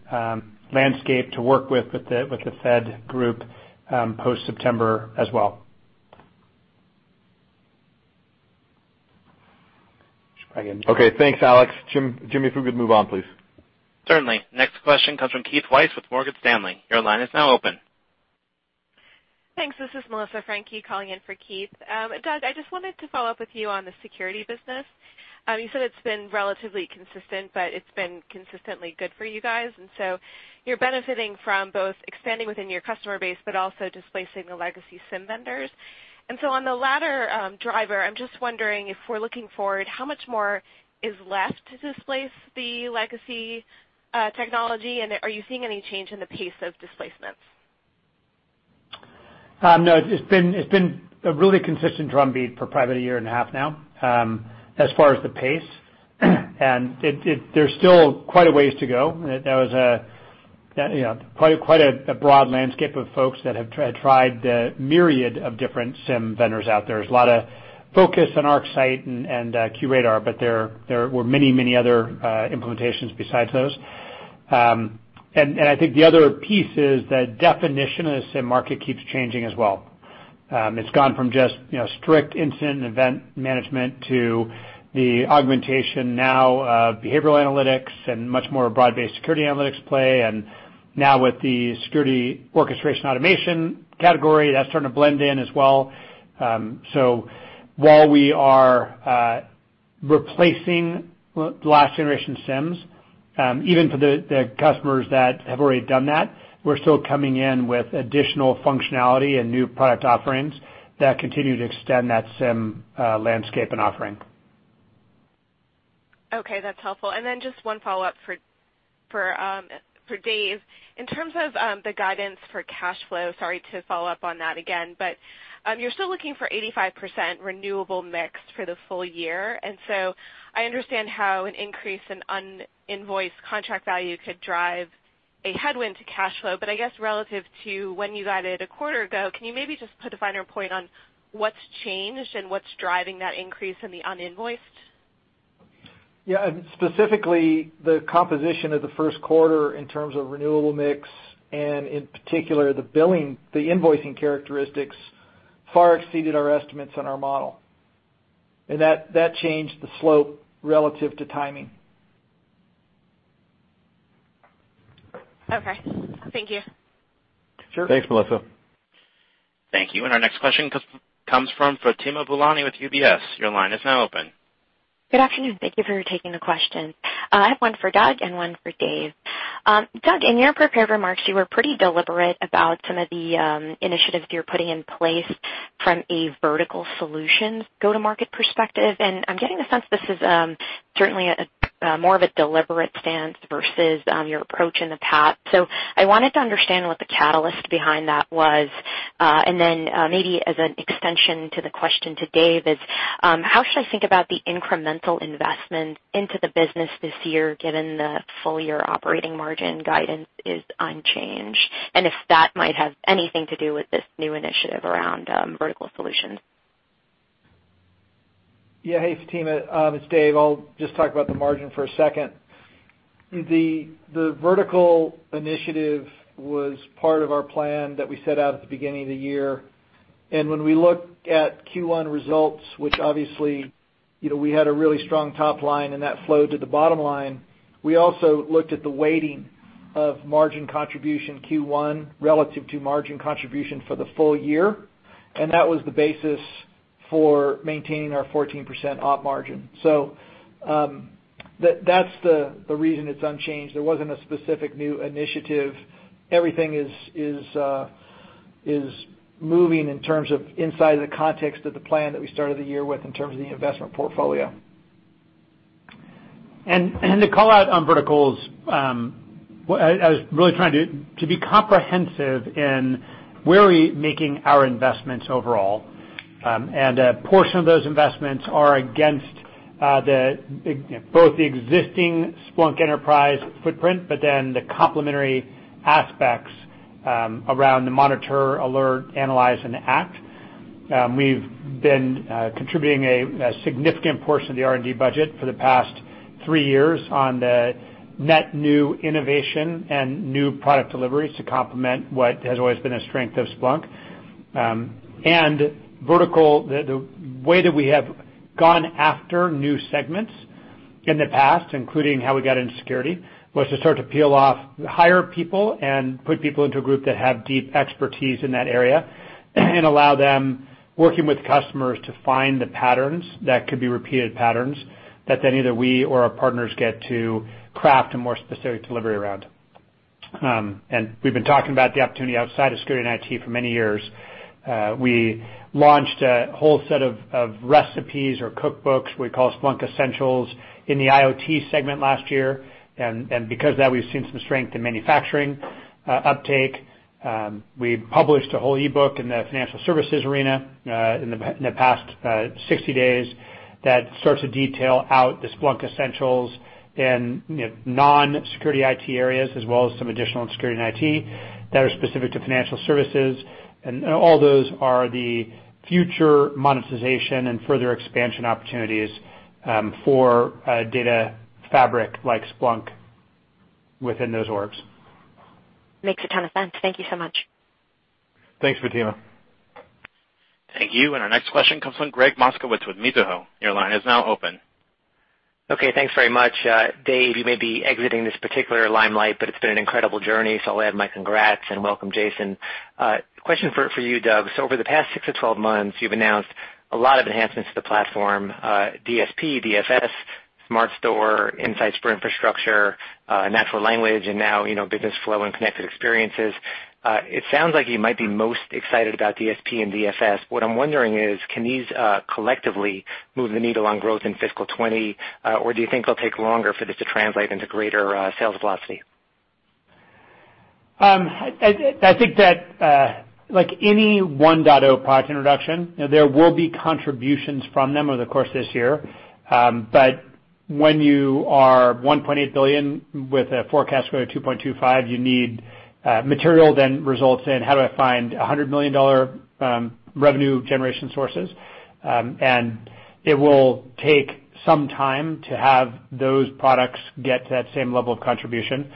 landscape to work with the Fed group post September as well. Okay. Thanks, Alex Zukin. Jimmy, if we could move on, please. Certainly. Next question comes from Keith Weiss with Morgan Stanley. Your line is now open. Thanks. This is Melissa Frank calling in for Keith. Doug, I just wanted to follow up with you on the security business. You said it's been relatively consistent, but it's been consistently good for you guys, and so you're benefiting from both expanding within your customer base, but also displacing the legacy SIEM vendors. On the latter driver, I'm just wondering if we're looking forward, how much more is left to displace the legacy technology, and are you seeing any change in the pace of displacements? No, it's been a really consistent drumbeat for probably a year and a half now, as far as the pace. There's still quite a way to go. That was quite a broad landscape of folks that have tried the myriad of different SIEM vendors out there. There's a lot of focus on ArcSight and QRadar, but there were many other implementations besides those. I think the other piece is that definition of the SIEM market keeps changing as well. It's gone from just strict incident event management to the augmentation now of behavioral analytics and much more broad-based security analytics play. Now with the security orchestration automation category, that's starting to blend in as well. While we are replacing last generation SIEMs, even for the customers that have already done that, we're still coming in with additional functionality and new product offerings that continue to extend that SIEM landscape and offering. Okay, that's helpful. Just one follow-up for Dave. In terms of the guidance for cash flow, sorry to follow up on that again, you're still looking for 85% renewable mix for the full year. I understand how an increase in un-invoiced contract value could drive a headwind to cash flow. I guess relative to when you guided a quarter ago, can you maybe just put a finer point on what's changed and what's driving that increase in the un-invoiced? Yeah, specifically the composition of the first quarter in terms of renewable mix and in particular the invoicing characteristics far exceeded our estimates on our model. That changed the slope relative to timing. Okay. Thank you. Sure. Thanks, Melissa. Thank you. Our next question comes from Fatima Boolani with UBS. Your line is now open. Good afternoon. Thank you for taking the question. I have one for Doug and one for Dave. Doug, in your prepared remarks, you were pretty deliberate about some of the initiatives you're putting in place from a vertical solutions go-to-market perspective. I'm getting the sense this is certainly more of a deliberate stance versus your approach in the past. I wanted to understand what the catalyst behind that was. Then maybe as an extension to the question to Dave is, how should I think about the incremental investment into the business this year given the full-year operating margin guidance is unchanged? If that might have anything to do with this new initiative around vertical solutions. Yeah. Hey, Fatima. It's Dave. I'll just talk about the margin for a second. The vertical initiative was part of our plan that we set out at the beginning of the year. When we looked at Q1 results, which obviously we had a really strong top line and that flowed to the bottom line, we also looked at the weighting of margin contribution Q1 relative to margin contribution for the full year, and that was the basis for maintaining our 14% op margin. That's the reason it's unchanged. There wasn't a specific new initiative. Everything is moving in terms of inside the context of the plan that we started the year with in terms of the investment portfolio. The call out on verticals. I was really trying to be comprehensive in where are we making our investments overall. A portion of those investments are against both the existing Splunk Enterprise footprint, but then the complementary aspects around the monitor, alert, analyze, and act. We've been contributing a significant portion of the R&D budget for the past three years on the net new innovation and new product deliveries to complement what has always been a strength of Splunk. Vertical, the way that we have gone after new segments in the past, including how we got into security, was to start to peel off, hire people, and put people into a group that have deep expertise in that area and allow them working with customers to find the patterns that could be repeated patterns that then either we or our partners get to craft a more specific delivery around. We've been talking about the opportunity outside of security and IT for many years. We launched a whole set of recipes or cookbooks we call Splunk Essentials in the IoT segment last year. Because of that, we've seen some strength in manufacturing uptake. We published a whole e-book in the financial services arena in the past 60 days that starts to detail out the Splunk Essentials in non-security IT areas, as well as some additional in security and IT that are specific to financial services. All those are the future monetization and further expansion opportunities for data fabric like Splunk within those orgs. Makes a ton of sense. Thank you so much. Thanks, Fatima. Thank you. Our next question comes from Gregg Moskowitz with Mizuho. Your line is now open. Okay. Thanks very much. Dave, you may be exiting this particular limelight, but it's been an incredible journey, so I'll add my congrats and welcome Jason. Question for you, Doug. Over the past six to 12 months, you've announced a lot of enhancements to the platform, DSP, DFS, SmartStore, Splunk Insights for Infrastructure, natural language, and now Splunk Business Flow and Connected Experiences. It sounds like you might be most excited about DSP and DFS. What I'm wondering is, can these collectively move the needle on growth in fiscal 2020, or do you think it'll take longer for this to translate into greater sales velocity? I think that like any 1.0 product introduction, there will be contributions from them over the course of this year. When you are $1.8 billion with a forecast growth of $2.25, you need material then results in how do I find $100 million revenue generation sources? It will take some time to have those products get to that same level of contribution.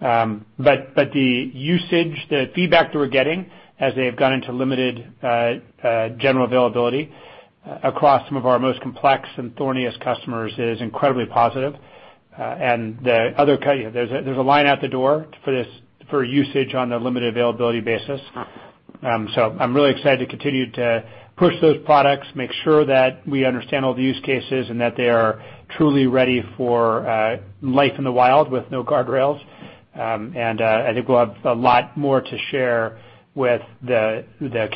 The usage, the feedback that we're getting as they have gone into limited general availability across some of our most complex and thorniest customers is incredibly positive. There's a line out the door for usage on a limited availability basis. I'm really excited to continue to push those products, make sure that we understand all the use cases and that they are truly ready for life in the wild with no guardrails. I think we'll have a lot more to share with the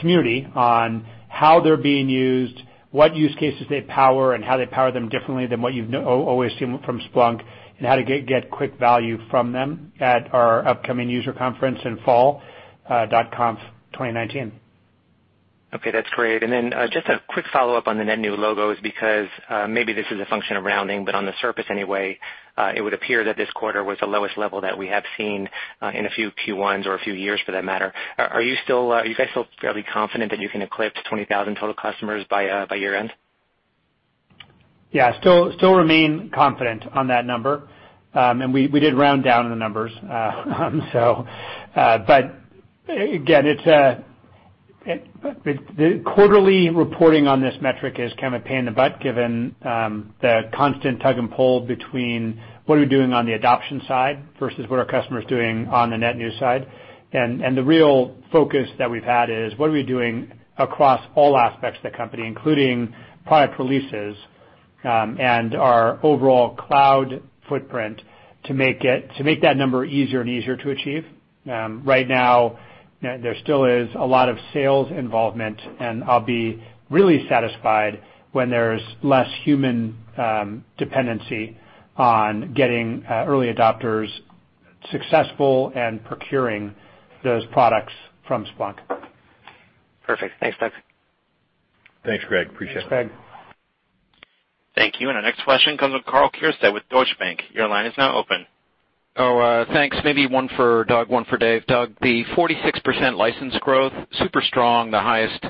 community on how they're being used, what use cases they power, and how they power them differently than what you've always seen from Splunk, and how to get quick value from them at our upcoming user conference in fall, .conf'19. Okay, that's great. Just a quick follow-up on the net new logos, because maybe this is a function of rounding, but on the surface anyway, it would appear that this quarter was the lowest level that we have seen in a few Q1s or a few years for that matter. Are you guys still fairly confident that you can eclipse 20,000 total customers by year-end? Yeah, still remain confident on that number. We did round down the numbers. Again, the quarterly reporting on this metric is kind of a pain in the butt given the constant tug and pull between what are we doing on the adoption side versus what are customers doing on the net new side. The real focus that we've had is what are we doing across all aspects of the company, including product releases, and our overall cloud footprint to make that number easier and easier to achieve. Right now, there still is a lot of sales involvement, and I'll be really satisfied when there's less human dependency on getting early adopters successful and procuring those products from Splunk. Perfect. Thanks, Doug. Thanks, Gregg. Appreciate it. Thanks, Gregg. Thank you. Our next question comes with Karl Keirstead with Deutsche Bank. Your line is now open. Thanks. Maybe one for Doug, one for Dave. Doug, the 46% license growth, super strong, the highest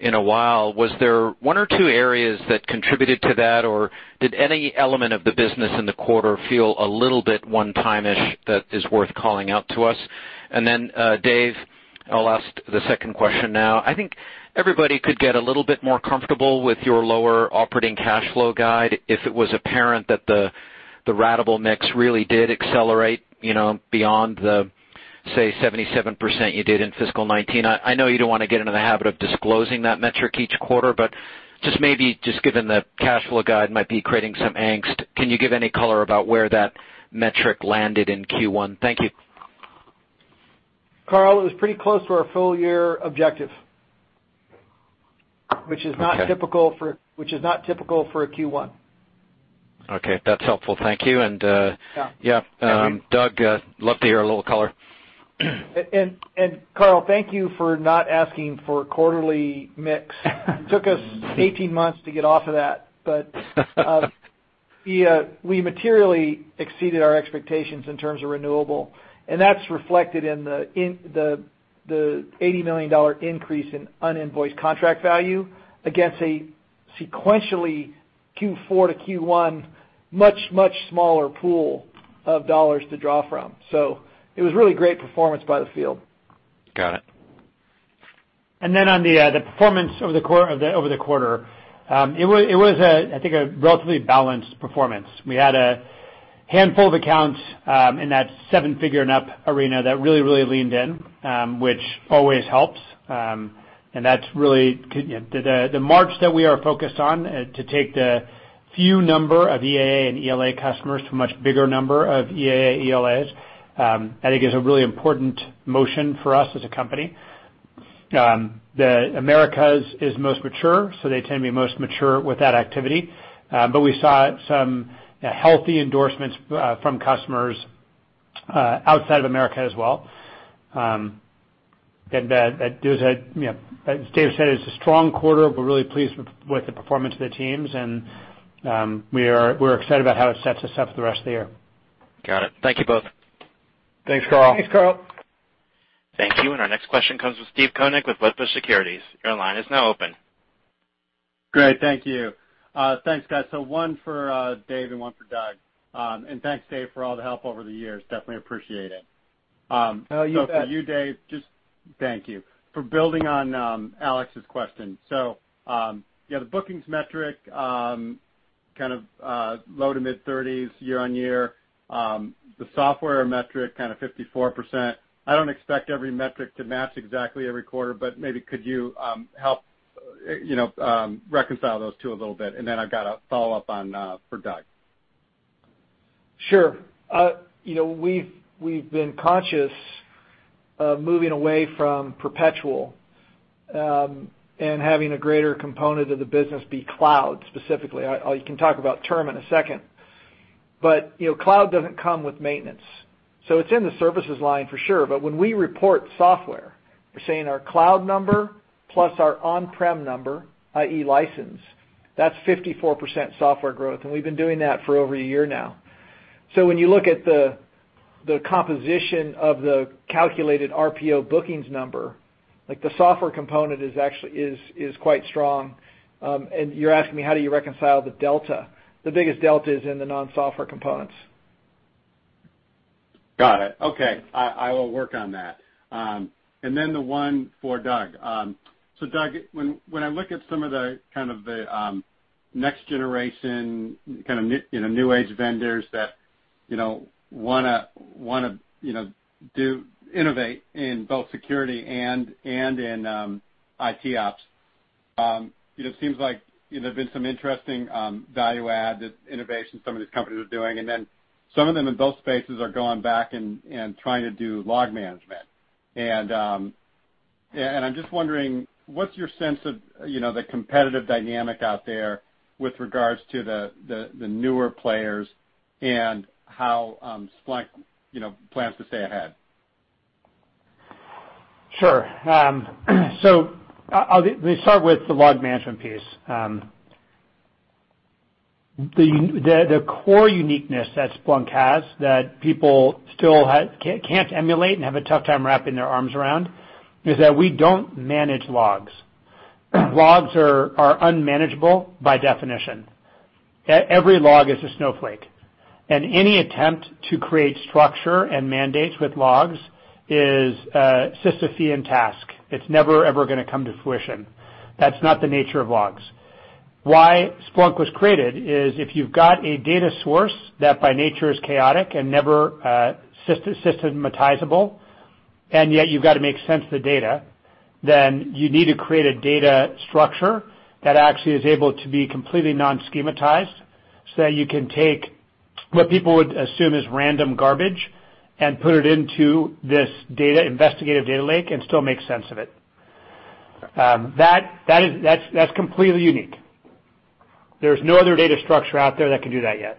in a while. Was there one or two areas that contributed to that, or did any element of the business in the quarter feel a little bit one-time-ish that is worth calling out to us? Dave, I'll ask the second question now. I think everybody could get a little bit more comfortable with your lower operating cash flow guide if it was apparent that the ratable mix really did accelerate beyond the, say, 77% you did in FY 2019. I know you don't want to get into the habit of disclosing that metric each quarter, but just maybe just given the cash flow guide might be creating some angst, can you give any color about where that metric landed in Q1? Thank you. Karl, it was pretty close to our full year objective. Okay. Which is not typical for a Q1. Okay, that's helpful. Thank you. Yeah. Yeah. Thank you. Doug, love to hear a little color. Karl, thank you for not asking for quarterly mix. It took us 18 months to get off of that, we materially exceeded our expectations in terms of renewable, and that's reflected in the $80 million increase in uninvoiced contract value against a sequentially Q4 to Q1 much, much smaller pool of dollars to draw from. It was really great performance by the field. Got it. On the performance over the quarter. It was I think a relatively balanced performance. We had a handful of accounts in that seven figure and up arena that really leaned in, which always helps. That's really the march that we are focused on to take the few number of EAA and ELA customers to a much bigger number of EAA, ELAs, I think is a really important motion for us as a company. The Americas is most mature, so they tend to be most mature with that activity. We saw some healthy endorsements from customers outside of America as well. As Dave said, it's a strong quarter. We're really pleased with the performance of the teams, and we're excited about how it sets us up for the rest of the year. Got it. Thank you both. Thanks, Karl. Thanks, Karl. Thank you. Our next question comes with Steve Koenig with Wedbush Securities. Your line is now open. Great. Thank you. Thanks, guys. One for Dave and one for Doug. Thanks, Dave, for all the help over the years. Definitely appreciate it. Oh, you bet. For you, Dave, just thank you for building on Alex's question. The bookings metric kind of low to mid-30s year-over-year. The software metric kind of 54%. I don't expect every metric to match exactly every quarter, but maybe could you help reconcile those two a little bit. Then I've got a follow-up for Doug. Sure. We've been conscious of moving away from perpetual, having a greater component of the business be cloud specifically. I can talk about term in a second. Cloud doesn't come with maintenance, so it's in the services line for sure. When we report software, we're saying our cloud number plus our on-prem number, i.e., license, that's 54% software growth, and we've been doing that for over a year now. When you look at the composition of the calculated RPO bookings number, the software component is quite strong. You're asking me how do you reconcile the delta? The biggest delta is in the non-software components. Got it. Okay. I will work on that. Then the one for Doug. Doug, when I look at some of the next generation kind of new age vendors that want to innovate in both security and in ITOps, it seems like there've been some interesting value add that innovation some of these companies are doing, and then some of them in both spaces are going back and trying to do log management. I'm just wondering, what's your sense of the competitive dynamic out there with regards to the newer players and how Splunk plans to stay ahead? Sure. Let me start with the log management piece. The core uniqueness that Splunk has that people still can't emulate and have a tough time wrapping their arms around is that we don't manage logs. Logs are unmanageable by definition. Every log is a snowflake, and any attempt to create structure and mandates with logs is a Sisyphean task. It's never, ever going to come to fruition. That's not the nature of logs. Why Splunk was created is if you've got a data source that by nature is chaotic and never systematizable, and yet you've got to make sense of the data, then you need to create a data structure that actually is able to be completely non-schematized so that you can take what people would assume is random garbage and put it into this investigative data lake and still make sense of it. That's completely unique. There's no other data structure out there that can do that yet.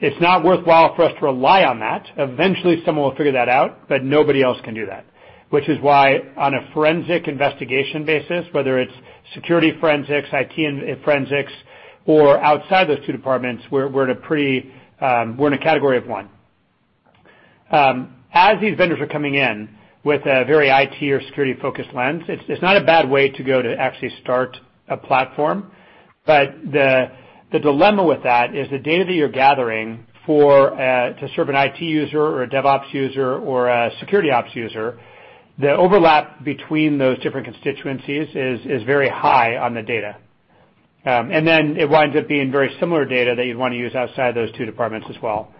It's not worthwhile for us to rely on that. Eventually, someone will figure that out, nobody else can do that. Which is why on a forensic investigation basis, whether it's security forensics, IT forensics, or outside those two departments, we're in a category of one. As these vendors are coming in with a very IT or security-focused lens, it's not a bad way to go to actually start a platform. The dilemma with that is the data that you're gathering to serve an IT user or a DevOps user or a security ops user, the overlap between those different constituencies is very high on the data. Then it winds up being very similar data that you'd want to use outside those two departments as well.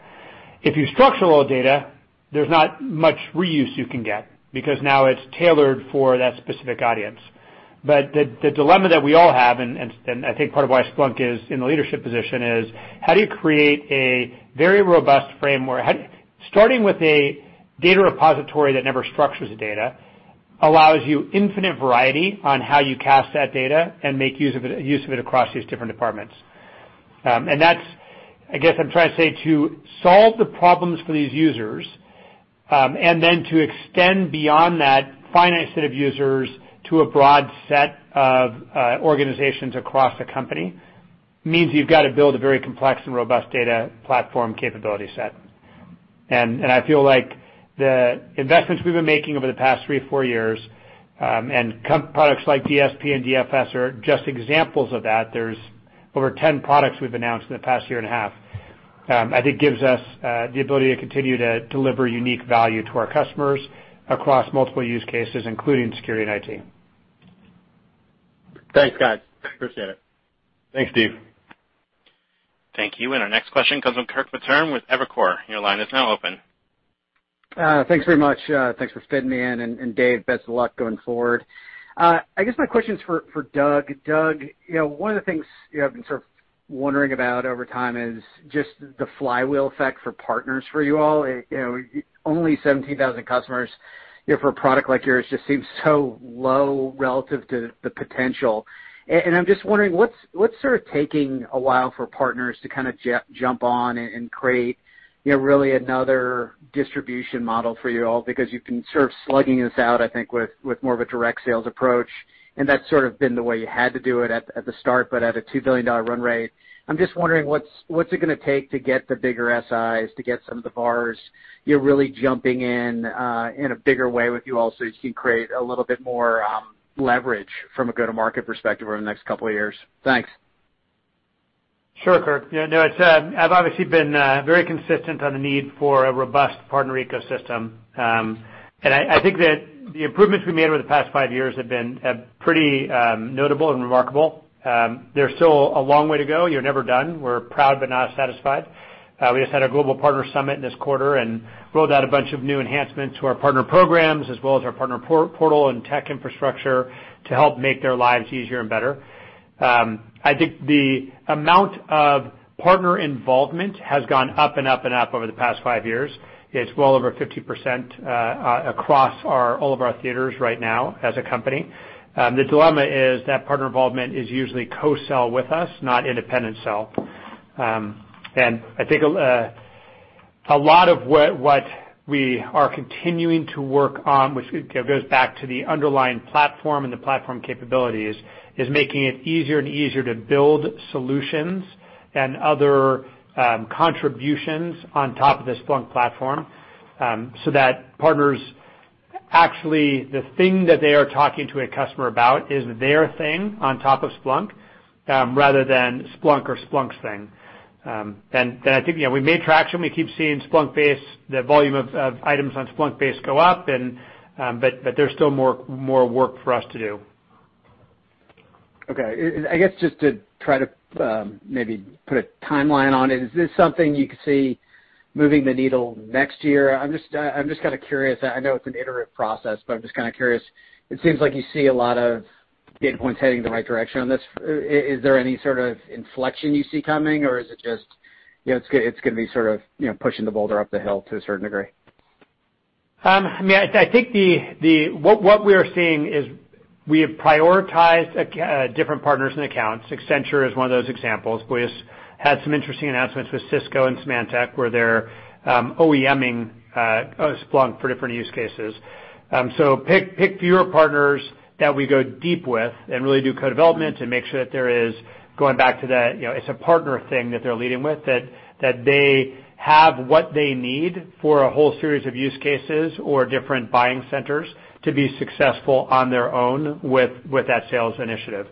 If you structure all data, there's not much reuse you can get, because now it's tailored for that specific audience. The dilemma that we all have, and I think part of why Splunk is in the leadership position is, how do you create a very robust framework? Starting with a data repository that never structures the data allows you infinite variety on how you cast that data and make use of it across these different departments. I guess I'm trying to say to solve the problems for these users, and then to extend beyond that finite set of users to a broad set of organizations across the company, means you've got to build a very complex and robust data platform capability set. I feel like the investments we've been making over the past three or four years, and products like DSP and DFS are just examples of that. There's over 10 products we've announced in the past year and a half, I think gives us the ability to continue to deliver unique value to our customers across multiple use cases, including security and IT. Thanks, guys. Appreciate it. Thanks, Steve. Thank you. Our next question comes from Kirk Materne with Evercore. Your line is now open. Thanks very much. Thanks for fitting me in, and Dave, best of luck going forward. I guess my question's for Doug. Doug, one of the things I've been sort of wondering about over time is just the flywheel effect for partners for you all. Only 17,000 customers for a product like yours just seems so low relative to the potential. I'm just wondering what's sort of taking a while for partners to kind of jump on and create really another distribution model for you all because you've been sort of slugging this out, I think, with more of a direct sales approach, and that's sort of been the way you had to do it at the start, but at a $2 billion run rate, I'm just wondering what's it going to take to get the bigger SIs, to get some of the VARs really jumping in in a bigger way with you all so as you can create a little bit more leverage from a go-to-market perspective over the next couple of years? Thanks. Sure, Kirk. I've obviously been very consistent on the need for a robust partner ecosystem. I think that the improvements we made over the past five years have been pretty notable and remarkable. There's still a long way to go. You're never done. We're proud but not satisfied. We just had our Global Partner Summit this quarter and rolled out a bunch of new enhancements to our partner programs, as well as our partner portal and tech infrastructure to help make their lives easier and better. I think the amount of partner involvement has gone up and up over the past five years. It's well over 50% across all of our theaters right now as a company. The dilemma is that partner involvement is usually co-sell with us, not independent sell. I think a lot of what we are continuing to work on, which goes back to the underlying platform and the platform capabilities, is making it easier and easier to build solutions and other contributions on top of the Splunk platform, so that partners, actually, the thing that they are talking to a customer about is their thing on top of Splunk, rather than Splunk or Splunk's thing. I think we've made traction. We keep seeing the volume of items on Splunkbase go up, but there's still more work for us to do. Okay. I guess just to try to maybe put a timeline on it, is this something you could see moving the needle next year? I'm just curious. I know it's an iterative process, but I'm just kind of curious. It seems like you see a lot of data points heading in the right direction on this. Is there any sort of inflection you see coming, or is it just it's going to be sort of pushing the boulder up the hill to a certain degree? I think what we are seeing is we have prioritized different partners and accounts. Accenture is one of those examples. We just had some interesting announcements with Cisco and Symantec, where they're OEM-ing Splunk for different use cases. Pick fewer partners that we go deep with and really do co-development and make sure that there is, going back to that, it's a partner thing that they're leading with, that they have what they need for a whole series of use cases or different buying centers to be successful on their own with that sales initiative.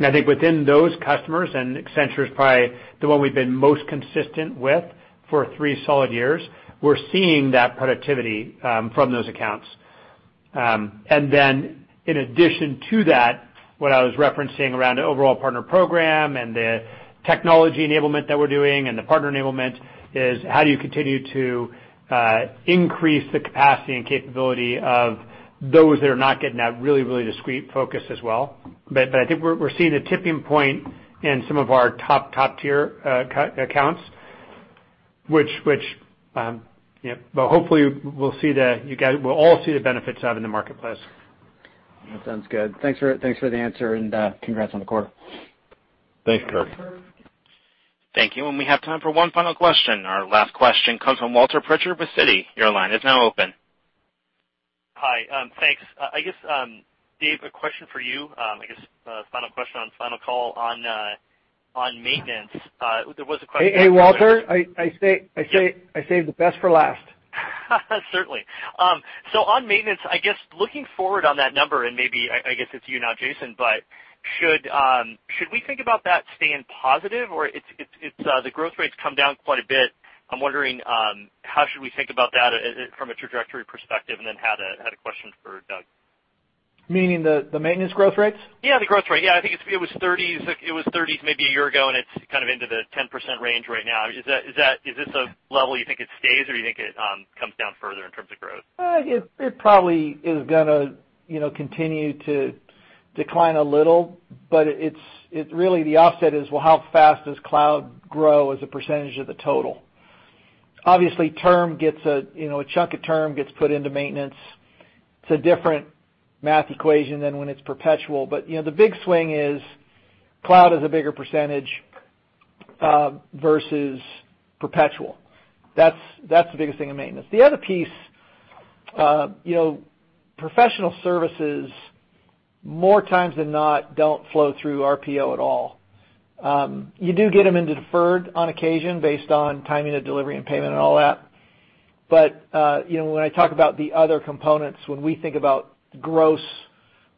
I think within those customers, and Accenture's probably the one we've been most consistent with for three solid years, we're seeing that productivity from those accounts. In addition to that, what I was referencing around the overall partner program and the technology enablement that we're doing and the partner enablement, is how do you continue to increase the capacity and capability of those that are not getting that really discrete focus as well. I think we're seeing a tipping point in some of our top tier accounts, which hopefully we'll all see the benefits of in the marketplace. That sounds good. Thanks for the answer, and congrats on the quarter. Thanks, Kirk. Thank you. We have time for one final question. Our last question comes from Walter Pritchard with Citi. Your line is now open. Hi. Thanks. I guess, Dave, a question for you, I guess a final question on final call on maintenance. There was a question. Hey, Walter, I saved the best for last. Certainly. On maintenance, I guess looking forward on that number, and maybe, I guess it's you now, Jason, but should we think about that staying positive? The growth rate's come down quite a bit. I'm wondering how should we think about that from a trajectory perspective, and then had a question for Doug. Meaning the maintenance growth rates? Yeah, the growth rate. Yeah, I think it was 30s maybe a year ago, and it's kind of into the 10% range right now. Is this a level you think it stays, or you think it comes down further in terms of growth? It probably is going to continue to decline a little, but really the offset is, well, how fast does cloud grow as a percentage of the total? Obviously, a chunk of term gets put into maintenance. It's a different math equation than when it's perpetual, but the big swing is cloud is a bigger percentage versus perpetual. That's the biggest thing in maintenance. The other piece, professional services more times than not don't flow through RPO at all. You do get them into deferred on occasion based on timing of delivery and payment and all that. When I talk about the other components, when we think about gross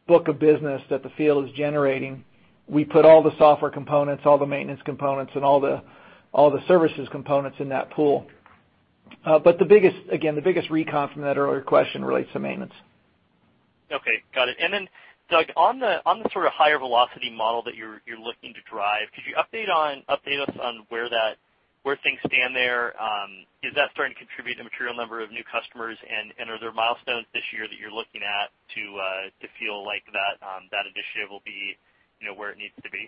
book of business that the field is generating, we put all the software components, all the maintenance components, and all the services components in that pool. Again, the biggest recap from that earlier question relates to maintenance. Okay. Got it. Doug, on the sort of higher velocity model that you're looking to drive, could you update us on where things stand there? Is that starting to contribute to a material number of new customers, and are there milestones this year that you're looking at to feel like that initiative will be where it needs to be?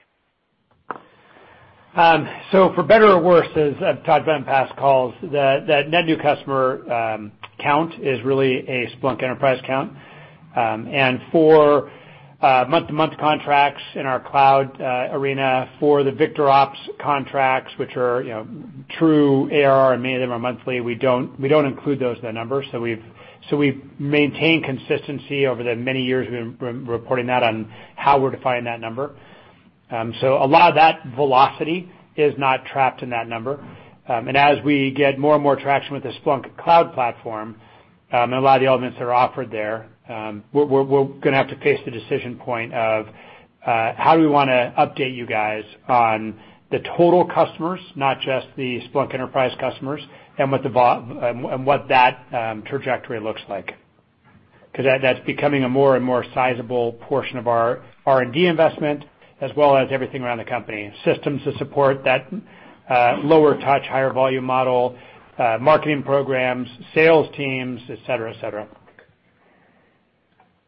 For better or worse, as I've talked about in past calls, that net new customer count is really a Splunk Enterprise count. For month-to-month contracts in our cloud arena, for the VictorOps contracts, which are true ARR, many of them are monthly, we don't include those in the numbers. We've maintained consistency over the many years we've been reporting that on how we're defining that number. A lot of that velocity is not trapped in that number. As we get more and more traction with the Splunk Cloud platform, and a lot of the elements that are offered there, we're going to have to face the decision point of how do we want to update you guys on the total customers, not just the Splunk Enterprise customers, and what that trajectory looks like. That's becoming a more and more sizable portion of our R&D investment as well as everything around the company. Systems to support that lower touch, higher volume model, marketing programs, sales teams, et cetera.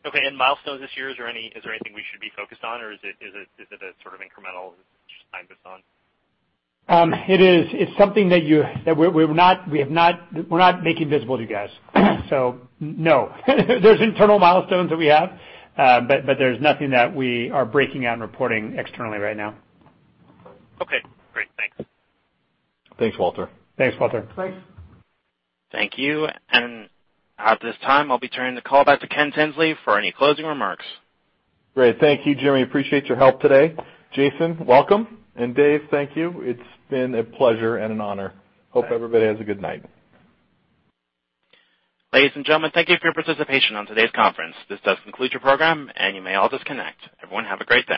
Okay, milestones this year, is there anything we should be focused on, or is it a sort of incremental, just time based on? It's something that we're not making visible to you guys. No. There's internal milestones that we have, but there's nothing that we are breaking out and reporting externally right now. Okay, great. Thanks. Thanks, Walter. Thanks, Walter. Thank you. At this time, I'll be turning the call back to Ken Tinsley for any closing remarks. Great. Thank you, Jimmy. Appreciate your help today. Jason, welcome. Dave, thank you. It's been a pleasure and an honor. Thanks. Hope everybody has a good night. Ladies and gentlemen, thank you for your participation on today's conference. This does conclude your program, and you may all disconnect. Everyone have a great day.